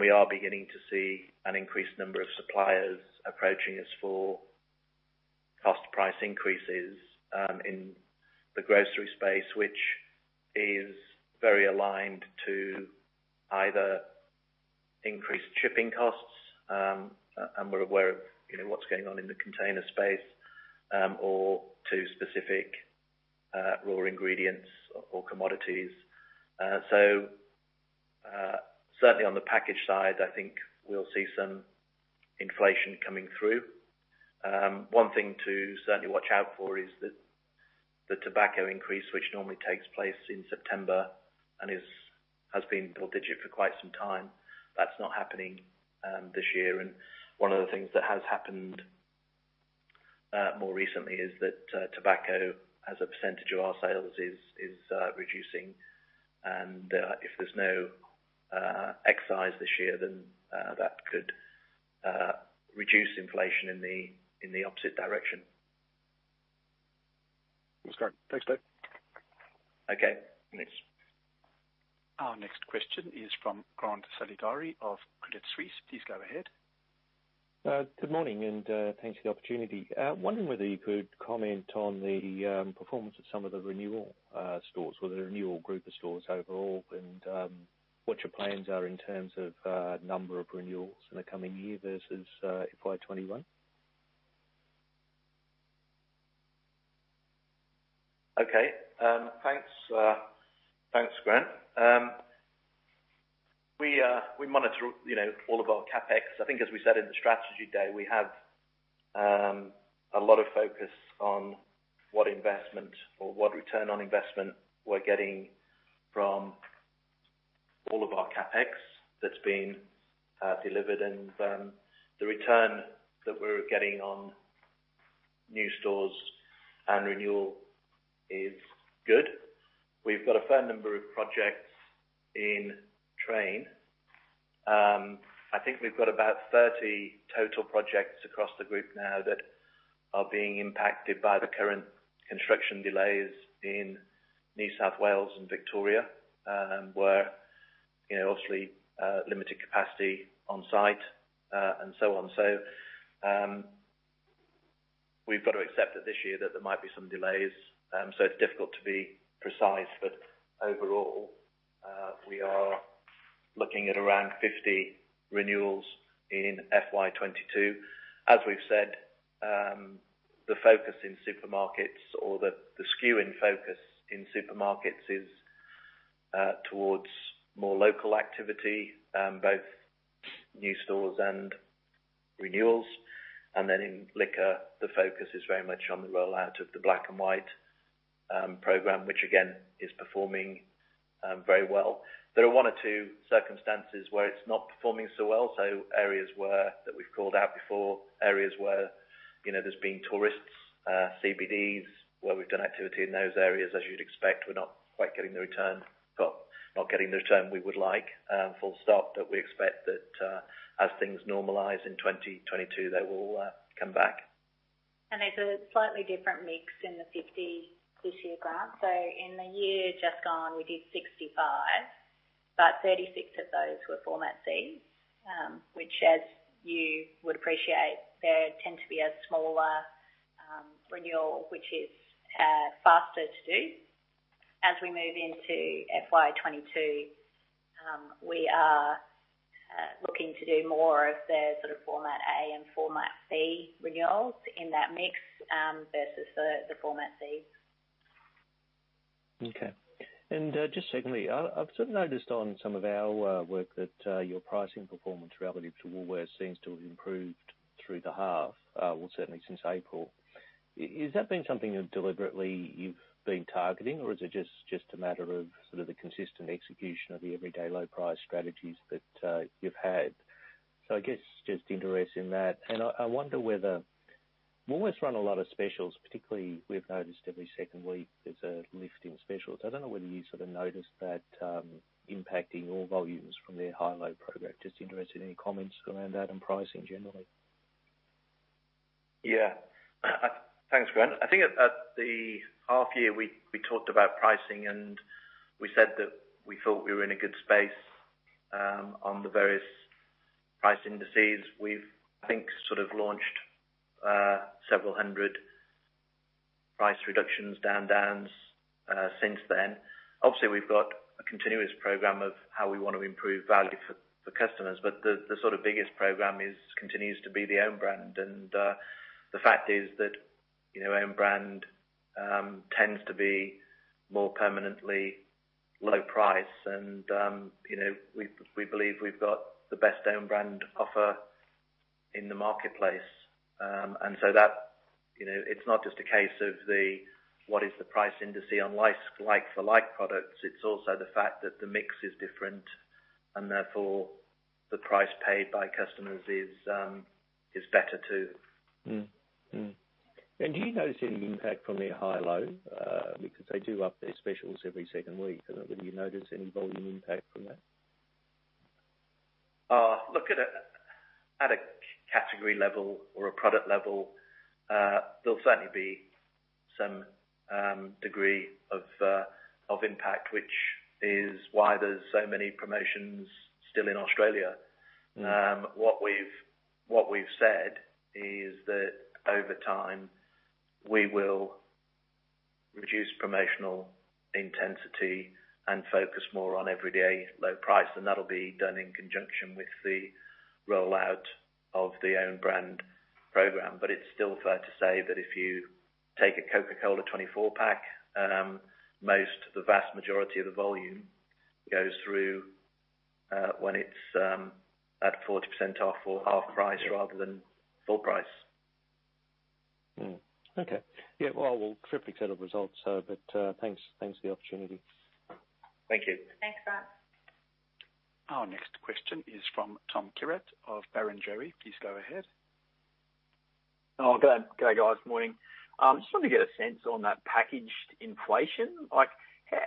We are beginning to see an increased number of suppliers approaching us for cost price increases in the grocery space, which is very aligned to either increased shipping costs, and we're aware of what's going on in the container space, or to specific raw ingredients or commodities. Certainly on the package side, I think we'll see some inflation coming through. One thing to certainly watch out for is the tobacco increase, which normally takes place in September and has been double-digit for quite some time. That's not happening this year. One of the things that has happened more recently is that tobacco, as a percentage of our sales, is reducing. If there's no excise this year, then that could reduce inflation in the opposite direction. That's great. Thanks, Steve. Okay, thanks. Our next question is from Grant Saligari of Credit Suisse. Please go ahead. Good morning, and thanks for the opportunity. Wondering whether you could comment on the performance of some of the renewal stores or the renewal group of stores overall, and what your plans are in terms of number of renewals in the coming year versus FY 2021. Okay. Thanks, Grant. We monitor all of our CapEx. I think as we said in the Strategy Day, we have a lot of focus on what investment or what return on investment we're getting from all of our CapEx that's been delivered, and the return that we're getting on new stores and renewal is good. We've got a fair number of projects in train. I think we've got about 30 total projects across the group now that are being impacted by the current construction delays in New South Wales and Victoria, where obviously limited capacity on site, and so on. We've got to accept that this year that there might be some delays, so it's difficult to be precise, but overall, we are looking at around 50 renewals in FY 2022. As we've said, the focus in supermarkets or the skew in focus in supermarkets is towards more local activity, both new stores and renewals. Then in Liquor, the focus is very much on the rollout of the Black & White program, which again, is performing very well. There are one or two circumstances where it's not performing so well. Areas that we've called out before, areas where there's been tourists, CBDs, where we've done activity in those areas, as you'd expect, we're not getting the return we would like, full stop. We expect that as things normalize in 2022, they will come back. There's a slightly different mix in the 50 this year, Grant. In the year just gone, we did 65, but 36 of those were Format Cs, which as you would appreciate, they tend to be a smaller renewal, which is faster to do. As we move into FY 2022, we are looking to do more of the Format A and Format C renewals in that mix, versus the Format Cs. Okay. Just secondly, I've noticed on some of our work that your pricing performance relative to Woolworths seems to have improved through the half, well, certainly since April. Has that been something deliberately you've been targeting, or is it just a matter of the consistent execution of the everyday low price strategies that you've had? I guess just interest in that. I wonder whether, Woolworths run a lot of specials, particularly we've noticed every second week there's a lift in specials. I don't know whether you sort of noticed that impacting your volumes from their Hi-Low program. Just interested in any comments around that and pricing generally. Thanks, Grant. I think at the half year, we talked about pricing, and we said that we thought we were in a good space, on the various price indices. We've, I think, launched several hundred price reductions down since then. Obviously, we've got a continuous program of how we want to improve value for customers, but the sort of biggest program continues to be the own brand. The fact is that own brand tends to be more permanently low price, and we believe we've got the best own brand offer in the marketplace. It's not just a case of what is the price index on like-for-like products, it's also the fact that the mix is different and therefore the price paid by customers is better, too. Do you notice any impact from their Hi-Low? Because they do up their specials every second week. I don't know, would you notice any volume impact from that? Look, at a category level or a product level, there'll certainly be some degree of impact, which is why there's so many promotions still in Australia. What we've said is that over time, we will reduce promotional intensity and focus more on everyday low price, and that'll be done in conjunction with the rollout of the own brand program. But it's still fair to say that if you take a Coca-Cola 24-pack, most, the vast majority of the volume goes through when it's at 40% off or half price rather than full price. Okay. Yeah, well, terrific set of results, but thanks for the opportunity. Thank you. Thanks, Grant. Our next question is from Tom Kierath of Barrenjoey. Please go ahead. Oh, good day, guys. Morning. Just wanted to get a sense on that packaged inflation.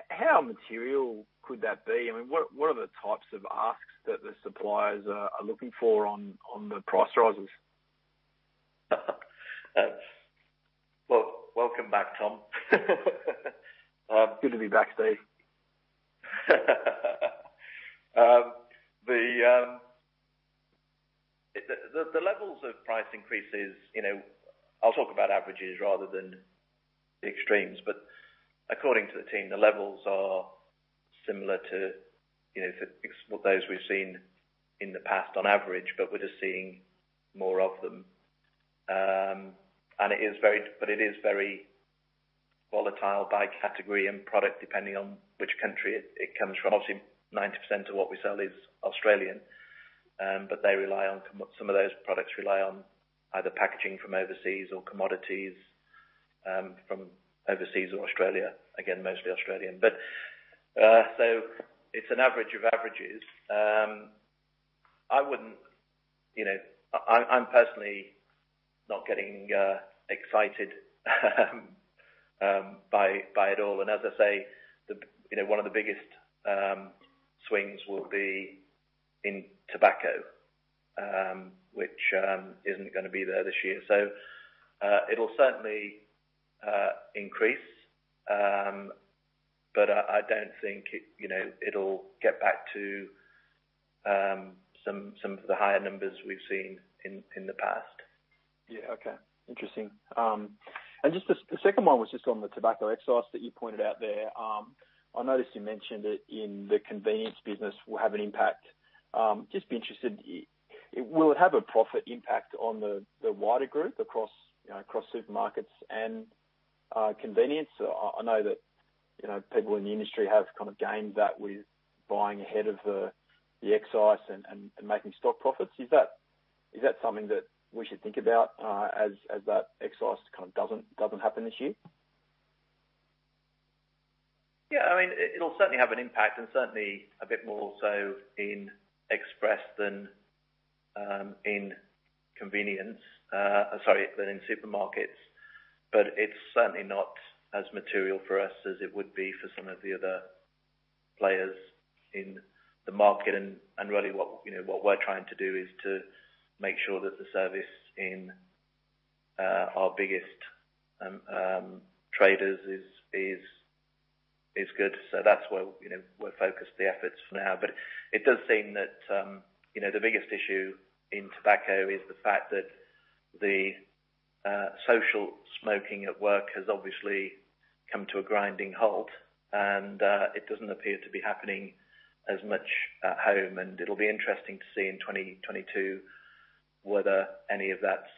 How material could that be? What are the types of asks that the suppliers are looking for on the price rises? Welcome back, Tom. Good to be back, Steve. The levels of price increases, I'll talk about averages rather than the extremes, but according to the team, the levels are similar to those we've seen in the past on average, but we're just seeing more of them. It is very volatile by category and product, depending on which country it comes from. Obviously, 90% of what we sell is Australian, but some of those products rely on either packaging from overseas or commodities from overseas or Australia. Again, mostly Australian. It's an average of averages. I'm personally not getting excited by it all. As I say, one of the biggest swings will be in tobacco, which isn't going to be there this year. It'll certainly increase. I don't think it'll get back to some of the higher numbers we've seen in the past. Yeah, okay. Interesting. The second one was just on the tobacco excise that you pointed out there. I noticed you mentioned that in the convenience business will have an impact. Just be interested, will it have a profit impact on the wider group across supermarkets and convenience? I know that people in the industry have kind of gamed that with buying ahead of the excise and making stock profits. Is that something that we should think about as that excise kind of doesn't happen this year? Yeah. It'll certainly have an impact and certainly a bit more so in Express than in convenience, sorry, than in supermarkets, but it's certainly not as material for us as it would be for some of the other players in the market. Really what we're trying to do is to make sure that the service in our biggest traders is good. That's where we're focused the efforts for now. It does seem that the biggest issue in tobacco is the fact that the social smoking at work has obviously come to a grinding halt, and it doesn't appear to be happening as much at home. It'll be interesting to see in 2022 whether any of that's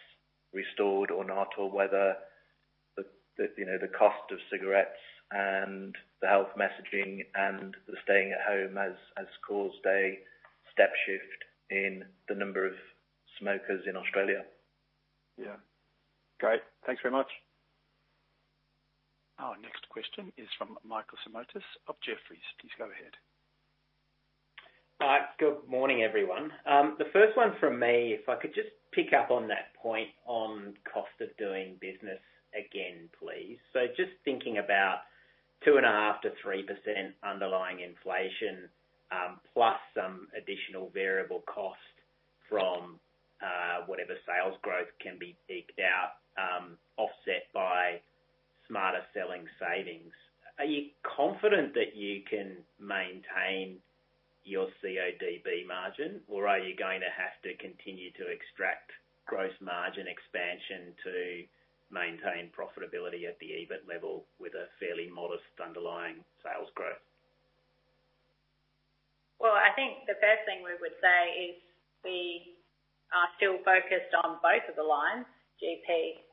restored or not, or whether the cost of cigarettes and the health messaging and the staying at home has caused a step shift in the number of smokers in Australia. Yeah. Great. Thanks very much. Our next question is from Michael Simotas of Jefferies. Please go ahead. Hi. Good morning, everyone. The first one from me, if I could just pick up on that point on cost of doing business again, please. Just thinking about 2.5%-3% underlying inflation, plus some additional variable cost from whatever sales growth can be eked out, offset by Smarter Selling savings. Are you confident that you can maintain your CODB margin, or are you going to have to continue to extract gross margin expansion to maintain profitability at the EBIT level with a fairly modest underlying sales growth? I think the first thing we would say is we are still focused on both of the lines, GP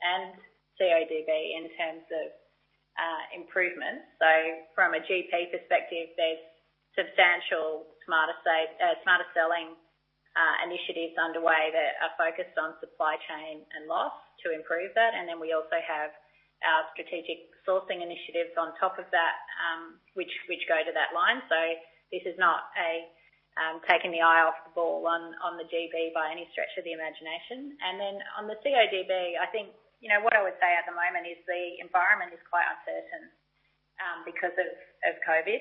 and CODB, in terms of improvements. From a GP perspective, there's substantial Smarter Selling initiatives underway that are focused on supply chain and loss to improve that. We also have our strategic sourcing initiatives on top of that, which go to that line. This is not a taking the eye off the ball on the GP by any stretch of the imagination. On the CODB, I think what I would say at the moment is the environment is quite uncertain because of COVID.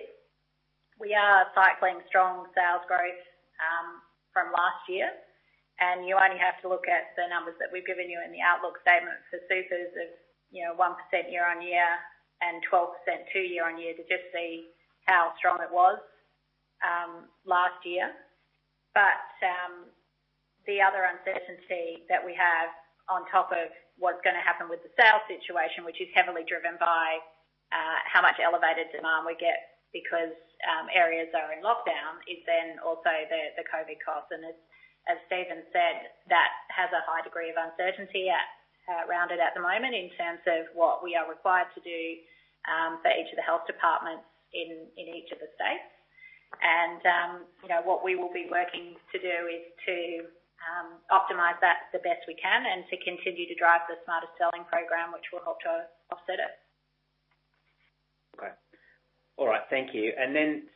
We are cycling strong sales growth from last year. You only have to look at the numbers that we've given you in the outlook statement for supers of 1% year-on-year and 12% two year-on-year to just see how strong it was last year. The other uncertainty that we have on top of what's going to happen with the sales situation, which is heavily driven by how much elevated demand we get because areas are in lockdown, is then also the COVID costs. As Steven said, that has a high degree of uncertainty around it at the moment in terms of what we are required to do for each of the health departments in each of the states. What we will be working to do is to optimize that the best we can and to continue to drive the Smarter Selling program, which will help to offset it. Okay. All right. Thank you.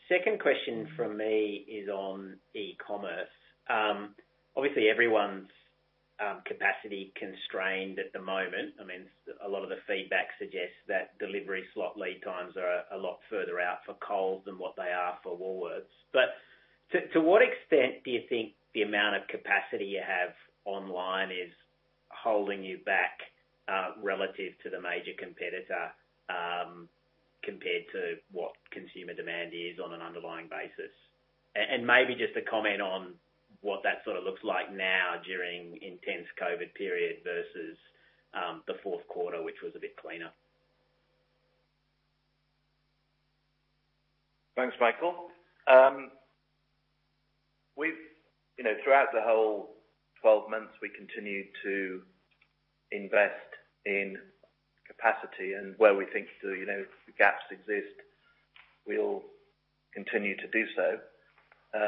Second question from me is on e-commerce. Obviously, everyone's capacity constrained at the moment. A lot of the feedback suggests that delivery slot lead times are a lot further out for Coles than what they are for Woolworths. To what extent do you think the amount of capacity you have online is holding you back, relative to the major competitor, compared to what consumer demand is on an underlying basis? Maybe just a comment on what that sort of looks like now during intense COVID period versus the fourth quarter, which was a bit cleaner. Thanks, Michael. Throughout the whole 12 months, we continued to invest in capacity and where we think the gaps exist, we'll continue to do so.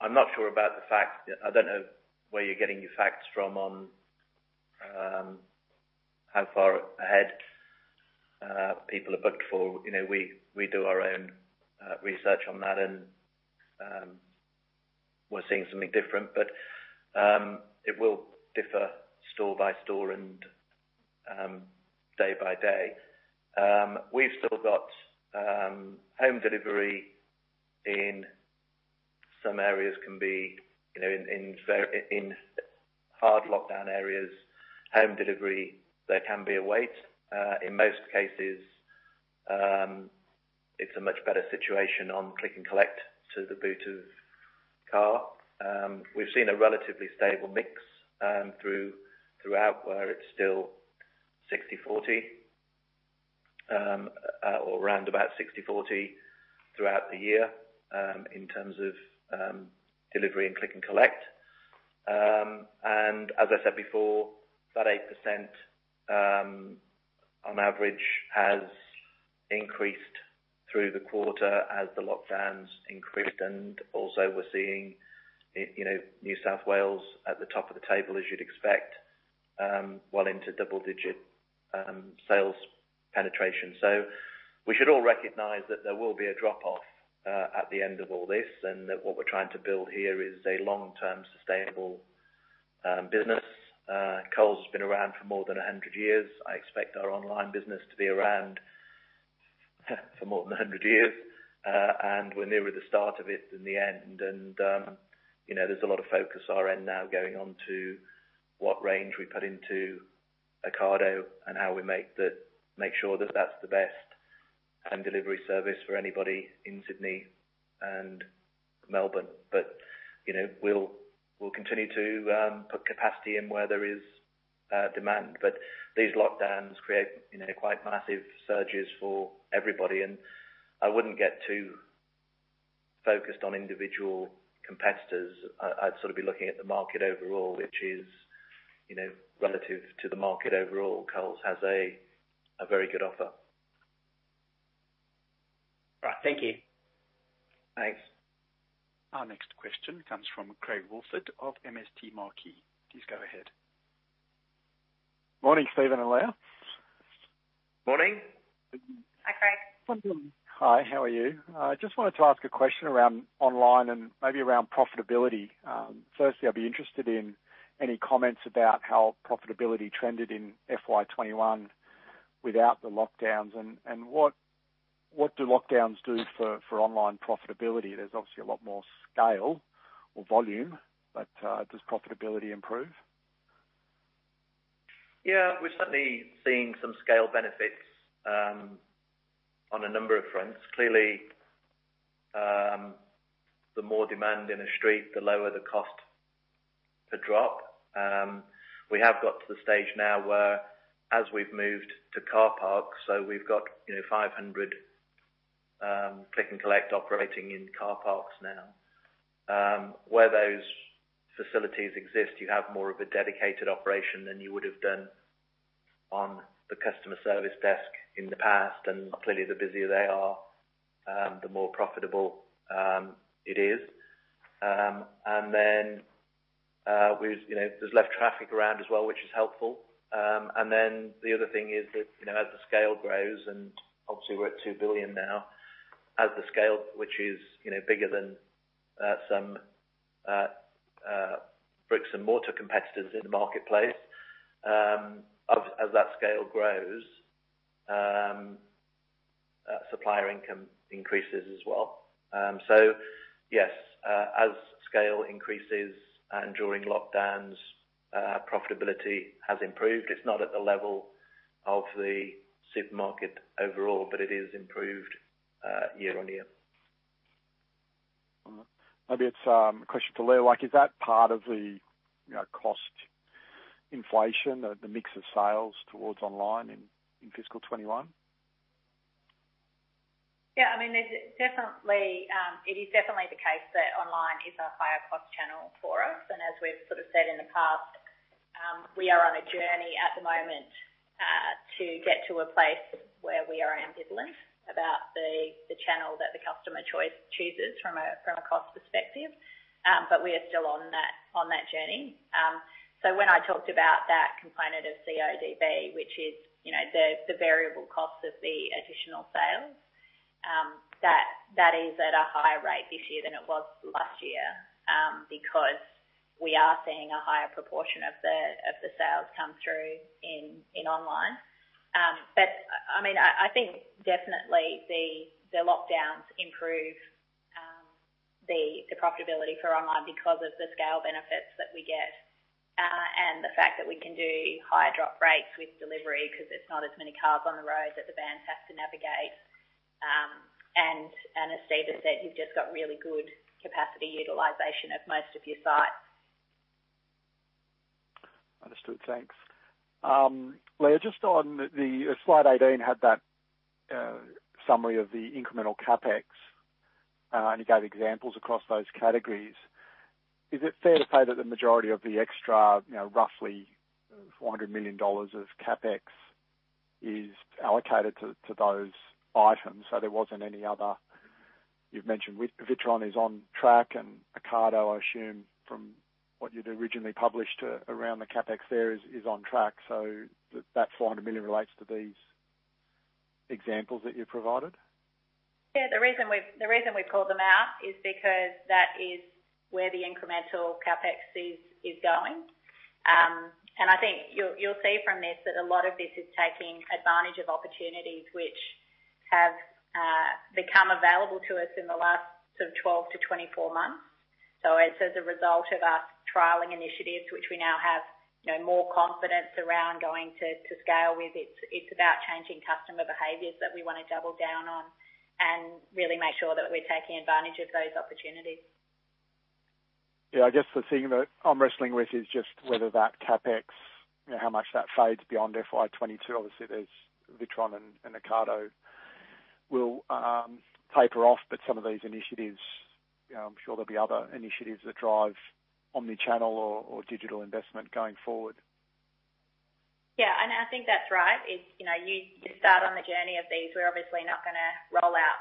I'm not sure about the facts. I don't know where you're getting your facts from on how far ahead people are booked for. We do our own research on that, and we're seeing something different. It will differ store by store and day by day. We've still got home delivery in some areas can be in hard lockdown areas, home delivery, there can be a wait. In most cases, it's a much better situation on Click & Collect to the boot of car. We've seen a relatively stable mix throughout, where it's still 60/40, or roundabout 60/40 throughout the year, in terms of delivery and Click & Collect. As I said before, that 8% on average has increased through the quarter as the lockdowns increased. Also we're seeing New South Wales at the top of the table, as you'd expect, well into double-digit sales penetration. We should all recognize that there will be a drop-off at the end of all this, and that what we're trying to build here is a long-term sustainable business. Coles has been around for more than 100 years. I expect our online business to be around for more than 100 years. We're nearer the start of it than the end, and there's a lot of focus our end now going on to what range we put into Ocado and how we make sure that that's the best home delivery service for anybody in Sydney and Melbourne. We'll continue to put capacity in where there is demand. These lockdowns create quite massive surges for everybody, and I wouldn't get too focused on individual competitors. I'd sort of be looking at the market overall, which is, relative to the market overall, Coles has a very good offer. Right. Thank you. Thanks. Our next question comes from Craig Woolford of MST Marquee. Please go ahead. Morning, Steven and Leah. Morning. Hi, Craig. Hi. How are you? I just wanted to ask a question around online and maybe around profitability. I'd be interested in any comments about how profitability trended in FY 2021 without the lockdowns, and what do lockdowns do for online profitability? There's obviously a lot more scale or volume, but does profitability improve? Yeah. We're certainly seeing some scale benefits on a number of fronts. Clearly, the more demand in a street, the lower the cost per drop. We have got to the stage now where as we've moved to car parks, so we've got 500 Click & Collect operating in car parks now. Where those facilities exist, you have more of a dedicated operation than you would have done on the customer service desk in the past. Clearly, the busier they are, the more profitable it is. There's less traffic around as well, which is helpful. The other thing is that, as the scale grows, and obviously we're at 2 billion now, as the scale, which is bigger than some bricks-and-mortar competitors in the marketplace. As that scale grows, supplier income increases as well. Yes, as scale increases and during lockdowns, profitability has improved. It's not at the level of the supermarket overall, but it is improved year-on-year. Maybe it's a question to Leah. Is that part of the cost inflation, the mix of sales towards online in fiscal 2021? Yeah. It is definitely the case that online is a higher cost channel for us. As we've sort of said in the past, we are on a journey at the moment, to get to a place where we are ambivalent about the channel that the customer chooses from a cost perspective. We are still on that journey. When I talked about that component of CODB, which is the variable cost of the additional sales, that is at a higher rate this year than it was last year, because we are seeing a higher proportion of the sales come through in online. I think definitely the lockdowns improve the profitability for online because of the scale benefits that we get, and the fact that we can do higher drop rates with delivery because there's not as many cars on the road that the vans have to navigate. As Steven said, you've just got really good capacity utilization of most of your sites. Understood. Thanks. Leah, just on the slide 18, had that summary of the incremental CapEx. It gave examples across those categories. Is it fair to say that the majority of the extra, roughly 400 million dollars of CapEx is allocated to those items? There wasn't any other. You've mentioned Witron is on track and Ocado, I assume from what you'd originally published around the CapEx there, is on track. That 400 million relates to these examples that you've provided? Yeah. The reason we've called them out is because that is where the incremental CapEx is going. Okay I think you'll see from this that a lot of this is taking advantage of opportunities which have become available to us in the last sort of 12-24 months. It's as a result of our trialing initiatives, which we now have more confidence around going to scale with. It's about changing customer behaviors that we want to double down on and really make sure that we're taking advantage of those opportunities. I guess the thing that I'm wrestling with is just whether that CapEx, how much that fades beyond FY 2022. Obviously, there's Witron and Ocado will taper off, but some of these initiatives, I'm sure there'll be other initiatives that drive omni-channel or digital investment going forward. Yeah, I think that's right. You start on the journey of these. We're obviously not going to roll out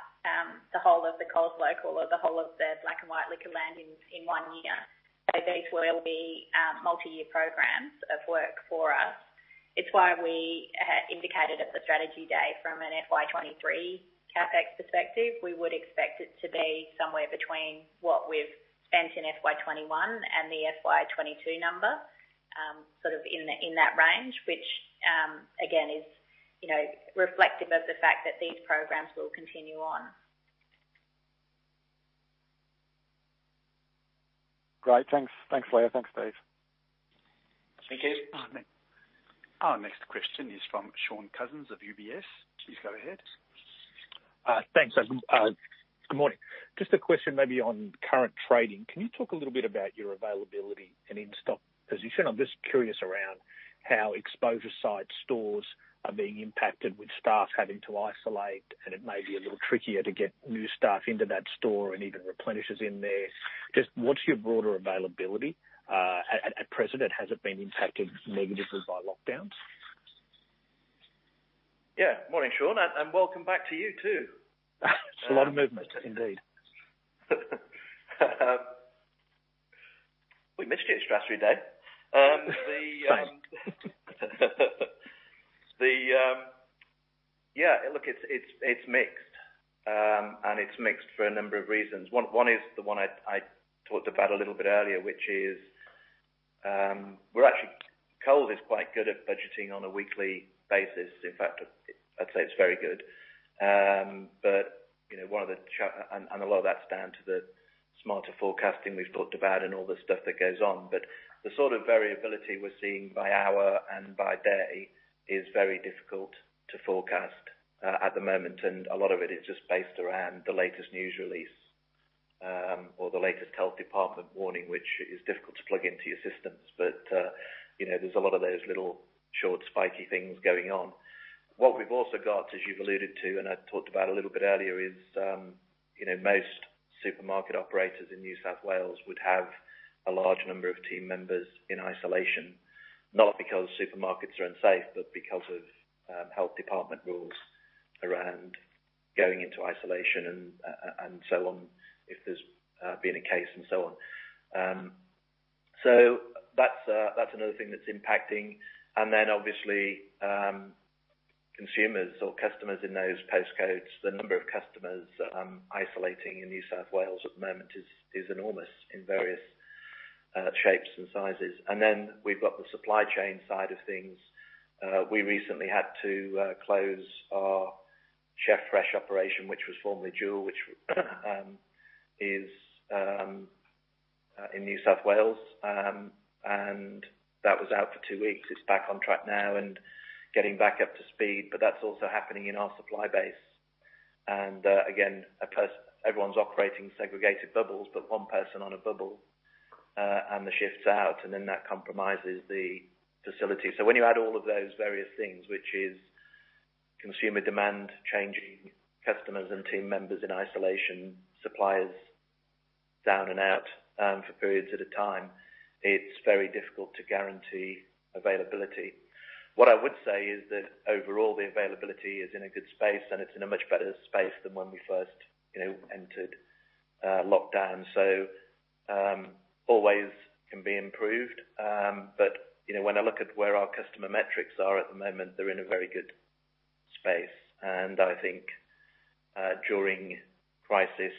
the whole of the Coles Local or the whole of the Black & White Liquorland in one year. These will be multi-year programs of work for us. It's why we indicated at the strategy day from an FY 2023 CapEx perspective, we would expect it to be somewhere between what we've spent in FY 2021 and the FY 2022 number, sort of in that range, which, again, is reflective of the fact that these programs will continue on. Great. Thanks. Thanks, Leah. Thanks, Steve. Thank you. Our next question is from Shaun Cousins of UBS. Please go ahead. Thanks. Good morning. Just a question maybe on current trading. Can you talk a little bit about your availability and in-stock position? I'm just curious around how exposure site stores are being impacted with staff having to isolate, and it may be a little trickier to get new staff into that store and even replenishes in there. Just what's your broader availability at present, and has it been impacted negatively by lockdowns? Yeah. Morning, Shaun, and welcome back to you, too. There's a lot of movement, indeed. We missed you at Strategy Day. Same. Yeah, look, it's mixed. It's mixed for a number of reasons. One is the one I talked about a little bit earlier, which is Coles is quite good at budgeting on a weekly basis. In fact, I'd say it's very good. A lot of that's down to the smarter forecasting we've talked about and all the stuff that goes on. The sort of variability we're seeing by hour and by day is very difficult to forecast at the moment. A lot of it is just based around the latest news release, or the latest health department warning, which is difficult to plug into your systems. There's a lot of those little short, spiky things going on. What we've also got, as you've alluded to and I talked about a little bit earlier, is most supermarket operators in New South Wales would have a large number of team members in isolation, not because supermarkets are unsafe, but because of health department rules around going into isolation and so on if there's been a case and so on. That's another thing that's impacting. Obviously, consumers or customers in those postcodes, the number of customers isolating in New South Wales at the moment is enormous in various shapes and sizes. We've got the supply chain side of things. We recently had to close our Chef Fresh operation, which was formerly Jewel, which is in New South Wales. That was out for two weeks. It's back on track now and getting back up to speed, but that's also happening in our supply base. Again, everyone's operating segregated bubbles, but one person on a bubble, and the shift's out, and then that compromises the facility. When you add all of those various things, which is consumer demand changing, customers and team members in isolation, suppliers down and out for periods at a time, it's very difficult to guarantee availability. What I would say is that overall, the availability is in a good space, and it's in a much better space than when we first entered lockdown. Always can be improved, but when I look at where our customer metrics are at the moment, they're in a very good space. I think, during crisis,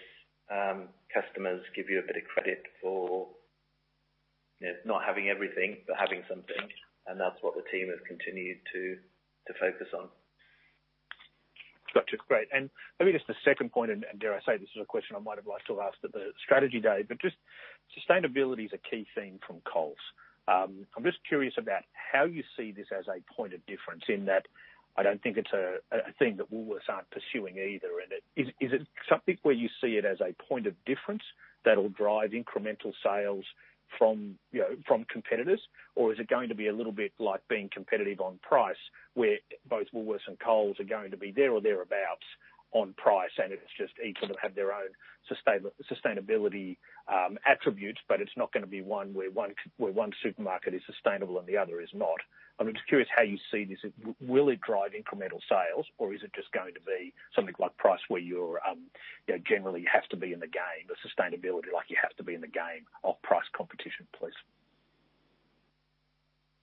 customers give you a bit of credit for not having everything, but having something, and that's what the team has continued to focus on. Got you. Great. Maybe just a second point, dare I say, this is a question I might have liked to have asked at the Strategy Day, just sustainability is a key theme from Coles. I'm just curious about how you see this as a point of difference in that I don't think it's a thing that Woolworths aren't pursuing either. Is it something where you see it as a point of difference that'll drive incremental sales from competitors? Is it going to be a little bit like being competitive on price, where both Woolworths and Coles are going to be there or thereabouts on price, it's just each of them have their own sustainability attributes, it's not going to be one where one supermarket is sustainable and the other is not. I'm just curious how you see this. Will it drive incremental sales, or is it just going to be something like price where you generally have to be in the game of sustainability like you have to be in the game of price competition, please?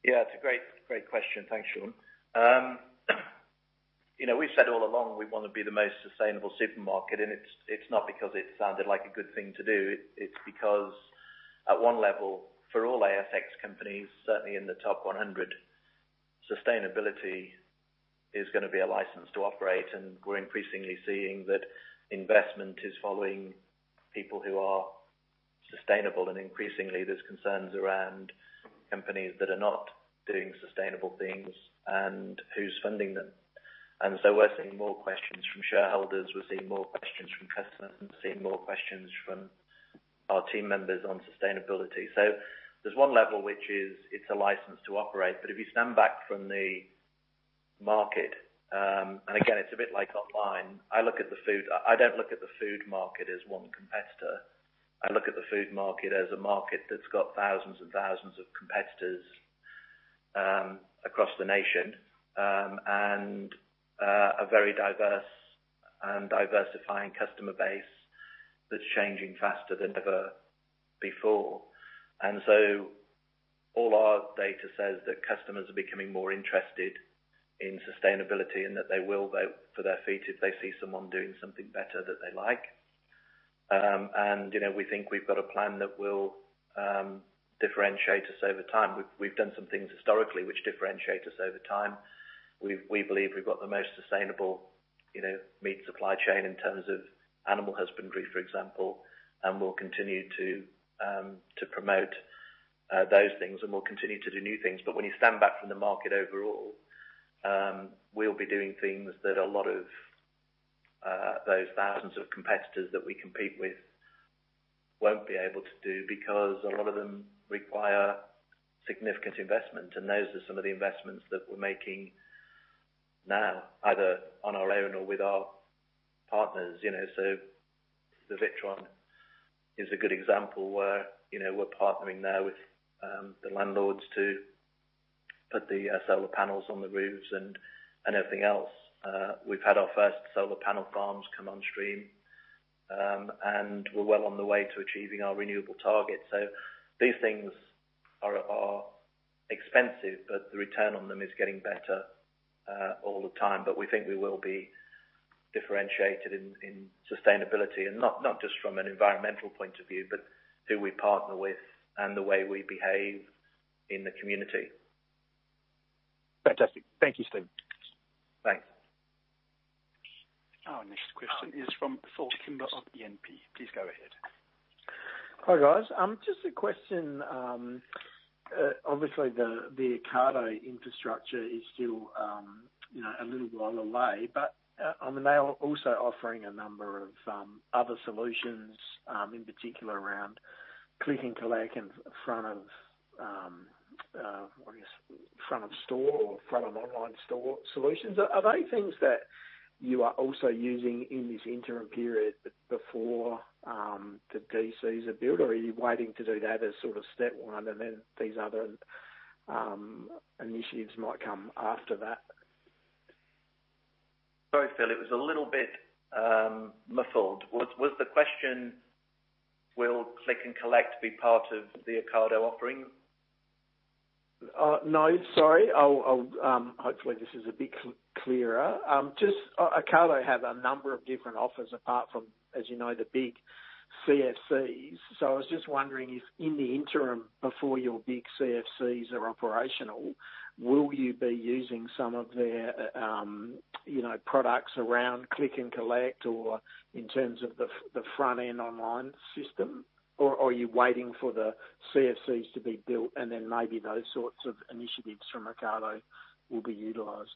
Yeah, it's a great question. Thanks, Shaun. We've said all along, we want to be the most sustainable supermarket, and it's not because it sounded like a good thing to do. It's because at one level, for all ASX companies, certainly in the top 100, sustainability is going to be a license to operate. We're increasingly seeing that investment is following people who are sustainable, and increasingly there's concerns around companies that are not doing sustainable things and who's funding them. We're seeing more questions from shareholders, we're seeing more questions from customers, and seeing more questions from our team members on sustainability. There's one level, which is it's a license to operate, but if you stand back from the market, and again, it's a bit like online. I don't look at the food market as one competitor. I look at the food market as a market that's got thousands and thousands of competitors across the nation, a very diverse and diversifying customer base that's changing faster than ever before. All our data says that customers are becoming more interested in sustainability and that they will vote for their feet if they see someone doing something better that they like. We think we've got a plan that will differentiate us over time. We've done some things historically which differentiate us over time. We believe we've got the most sustainable meat supply chain in terms of animal husbandry, for example, and we'll continue to promote those things, and we'll continue to do new things. When you stand back from the market overall, we'll be doing things that a lot of those thousands of competitors that we compete with won't be able to do, because a lot of them require significant investment. Those are some of the investments that we're making now, either on our own or with our partners. The Witron is a good example where we're partnering now with the landlords to put the solar panels on the roofs and everything else. We've had our first solar panel farms come on stream, and we're well on the way to achieving our renewable target. These things are expensive, but the return on them is getting better all the time. We think we will be differentiated in sustainability, and not just from an environmental point of view, but who we partner with and the way we behave in the community. Fantastic. Thank you, Steve. Thanks. Our next question is from Phil Kimber of E&P. Please go ahead. Hi, guys. Just a question. Obviously, the Ocado infrastructure is still a little while away, but on their end, also offering a number of other solutions, in particular around click and collect and front of store or front of online store solutions. Are they things that you are also using in this interim period before the DCs are built, or are you waiting to do that as sort of step one and then these other initiatives might come after that? Sorry, Phil, it was a little bit muffled. Was the question, will Click & Collect be part of the Ocado offering? No, sorry. Hopefully this is a bit clearer. Just Ocado have a number of different offers apart from, as you know, the big CFCs. I was just wondering if in the interim before your big CFCs are operational, will you be using some of their products around click and collect or in terms of the front end online system? Are you waiting for the CFCs to be built and then maybe those sorts of initiatives from Ocado will be utilized?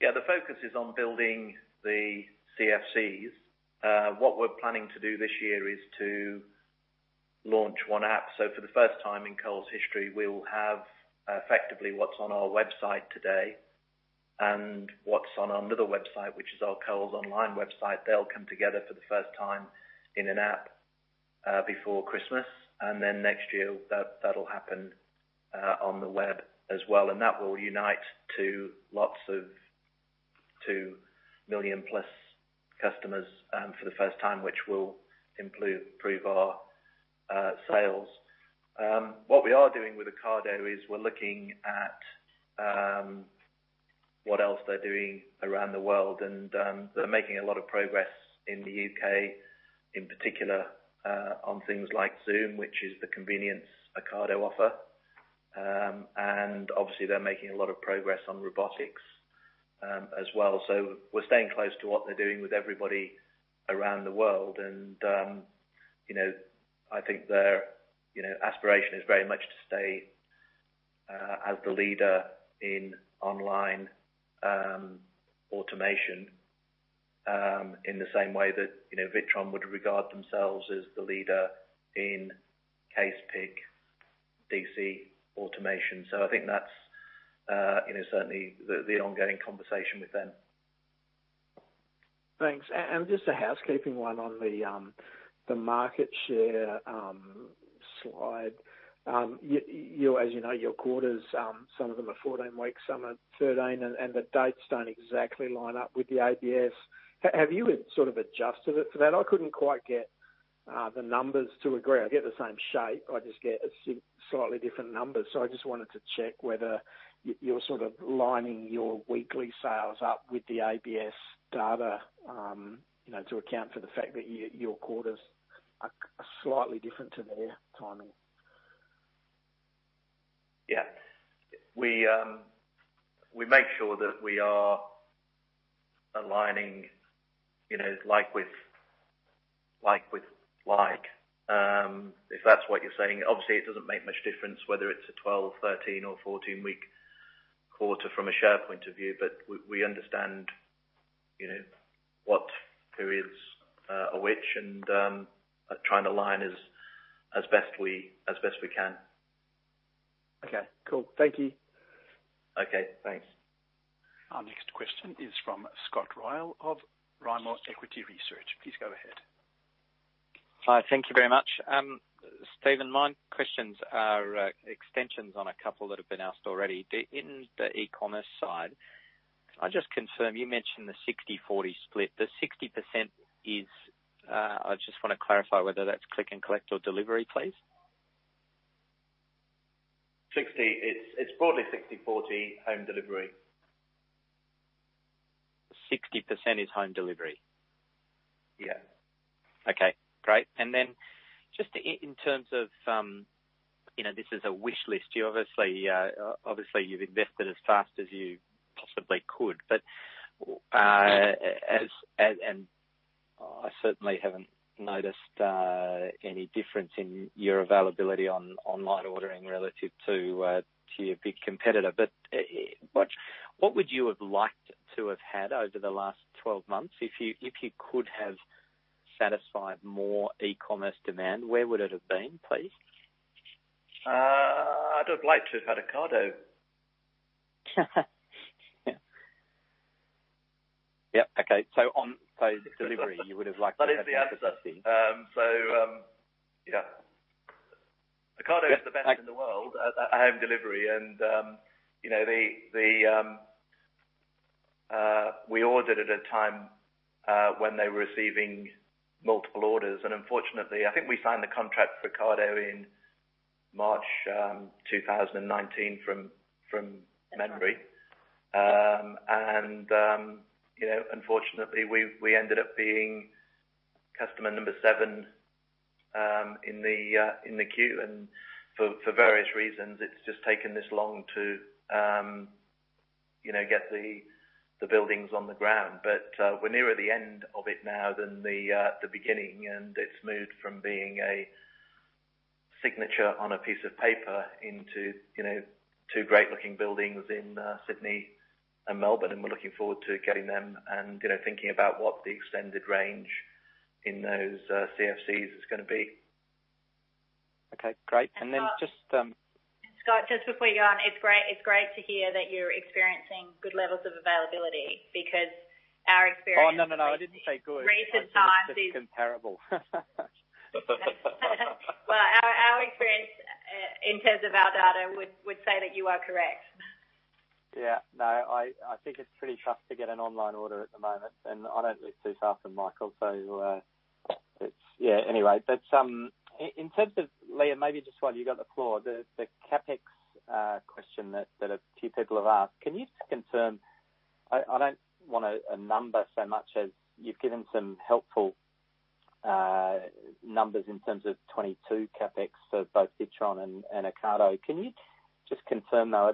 Yeah, the focus is on building the CFCs. What we're planning to do this year is to launch one app. For the first time in Coles history, we will have effectively what is on our website today and what is on our little website, which is our Coles Online website. They will come together for the first time in an app before Christmas, and then next year that will happen on the web as well. That will unite to lots of 2 million plus customers for the first time, which will improve our sales. What we are doing with Ocado is we are looking at what else they are doing around the world, and they are making a lot of progress in the U.K., in particular, on things like Zoom, which is the convenience Ocado offer. Obviously they are making a lot of progress on robotics as well. We're staying close to what they're doing with everybody around the world. I think their aspiration is very much to stay as the leader in online automation, in the same way that Witron would regard themselves as the leader in case pick DC automation. I think that's certainly the ongoing conversation with them. Thanks. Just a housekeeping one on the market share slide. As you know, your quarters, some of them are 14 weeks, some are 13 weeks, and the dates don't exactly line up with the ABS. Have you sort of adjusted it for that? I couldn't quite get the numbers to agree. I get the same shape, I just get slightly different numbers. I just wanted to check whether you're sort of lining your weekly sales up with the ABS data, to account for the fact that your quarters are slightly different to their timing. We make sure that we are aligning like with like, if that's what you're saying. Obviously, it doesn't make much difference whether it's a 12-, 13-, or 14-week quarter from a share point of view, but we understand what periods are which, and trying to align as best we can. Okay, cool. Thank you. Okay, thanks. Our next question is from Scott Ryall of Rimor Equity Research. Please go ahead. Hi. Thank you very much. Steven, my questions are extensions on a couple that have been asked already. In the e-commerce side, can I just confirm, you mentioned the 60/40 split. The 60%, I just want to clarify whether that's Click & Collect or delivery, please. It's broadly 60/40 home delivery. 60% is home delivery? Yeah. Okay, great. Just in terms of, this is a wish list. Obviously, you've invested as fast as you possibly could. I certainly haven't noticed any difference in your availability on online ordering relative to your big competitor. What would you have liked to have had over the last 12 months? If you could have satisfied more e-commerce demand, where would it have been, please? I'd have liked to have had Ocado. Yeah. Okay. On delivery, you would have liked to have. That is the answer. Ocado is the best in the world at home delivery. We ordered at a time when they were receiving multiple orders, and unfortunately, I think we signed the contract for Ocado in March 2019 from memory. Unfortunately, we ended up being customer number seven in the queue. For various reasons, it's just taken this long to get the buildings on the ground. We're nearer the end of it now than the beginning, and it's moved from being a signature on a piece of paper into two great-looking buildings in Sydney and Melbourne, and we're looking forward to getting them and thinking about what the extended range in those CFCs is going to be. Okay, great. Scott, just before you go on, it's great to hear that you're experiencing good levels of availability, because our experience. Oh, no, I didn't say good. recent times is- I said just comparable. Well, our experience in terms of our data would say that you are correct. Yeah. No, I think it's pretty tough to get an online order at the moment. I don't live too far from Michael, so it's Anyway. In terms of, Leah, maybe just while you got the floor, the CapEx question that a few people have asked. Can you just confirm, I don't want a number so much as you've given some helpful numbers in terms of 2022 CapEx for both Witron and Ocado. Can you just confirm, though?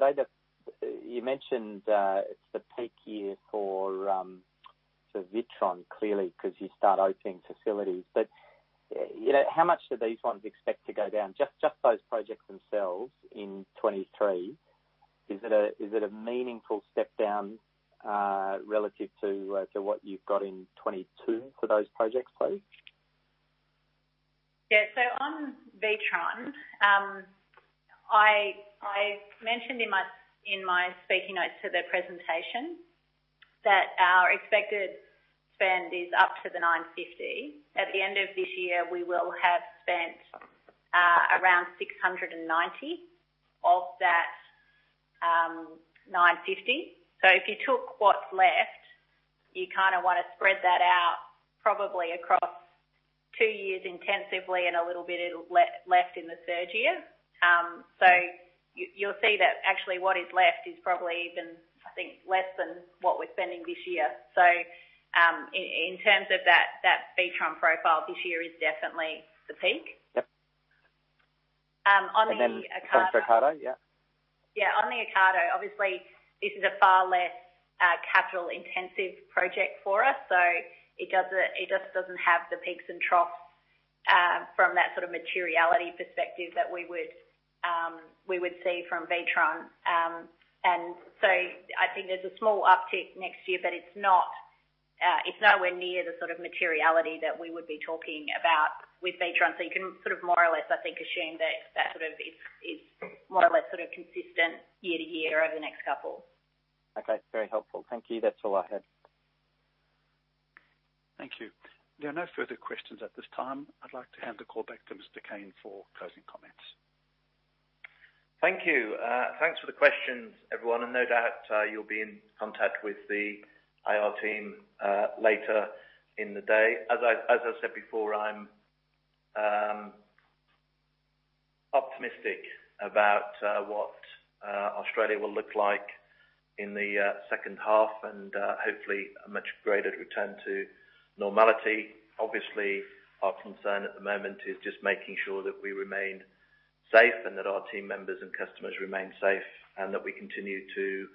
You mentioned it's the peak year for Witron, clearly, because you start opening facilities. How much do these ones expect to go down, just those projects themselves in 2023? Is it a meaningful step down relative to what you've got in 2022 for those projects, please? On Witron, I mentioned in my speaking notes for the presentation that our expected spend is up to 950 million. At the end of this year, we will have spent around 690 million of that 950 million. If you took what's left, you kind of want to spread that out probably across two years intensively and a little bit left in the third year. You'll see that actually what is left is probably even, I think, less than what we're spending this year. In terms of that Witron profile, this year is definitely the peak. Yep. On the Ocado- Then on to Ocado, yeah. Yeah, on the Ocado, obviously this is a far less capital-intensive project for us, so it just doesn't have the peaks and troughs from that sort of materiality perspective that we would see from Witron. I think there's a small uptick next year, but it's nowhere near the sort of materiality that we would be talking about with Witron. You can sort of more or less, I think, assume that sort of is more or less sort of consistent year-to-year over the next couple. Okay. Very helpful. Thank you. That's all I had. Thank you. There are no further questions at this time. I'd like to hand the call back to Mr. Cain for closing comments. Thank you. Thanks for the questions, everyone. No doubt you'll be in contact with the IR team later in the day. As I said before, I'm optimistic about what Australia will look like in the second half and hopefully a much greater return to normality. Obviously, our concern at the moment is just making sure that we remain safe, and that our team members and customers remain safe, and that we continue to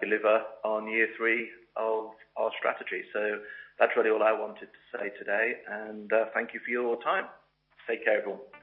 deliver on year three of our strategy. That's really all I wanted to say today, and thank you for your time. Take care, everyone.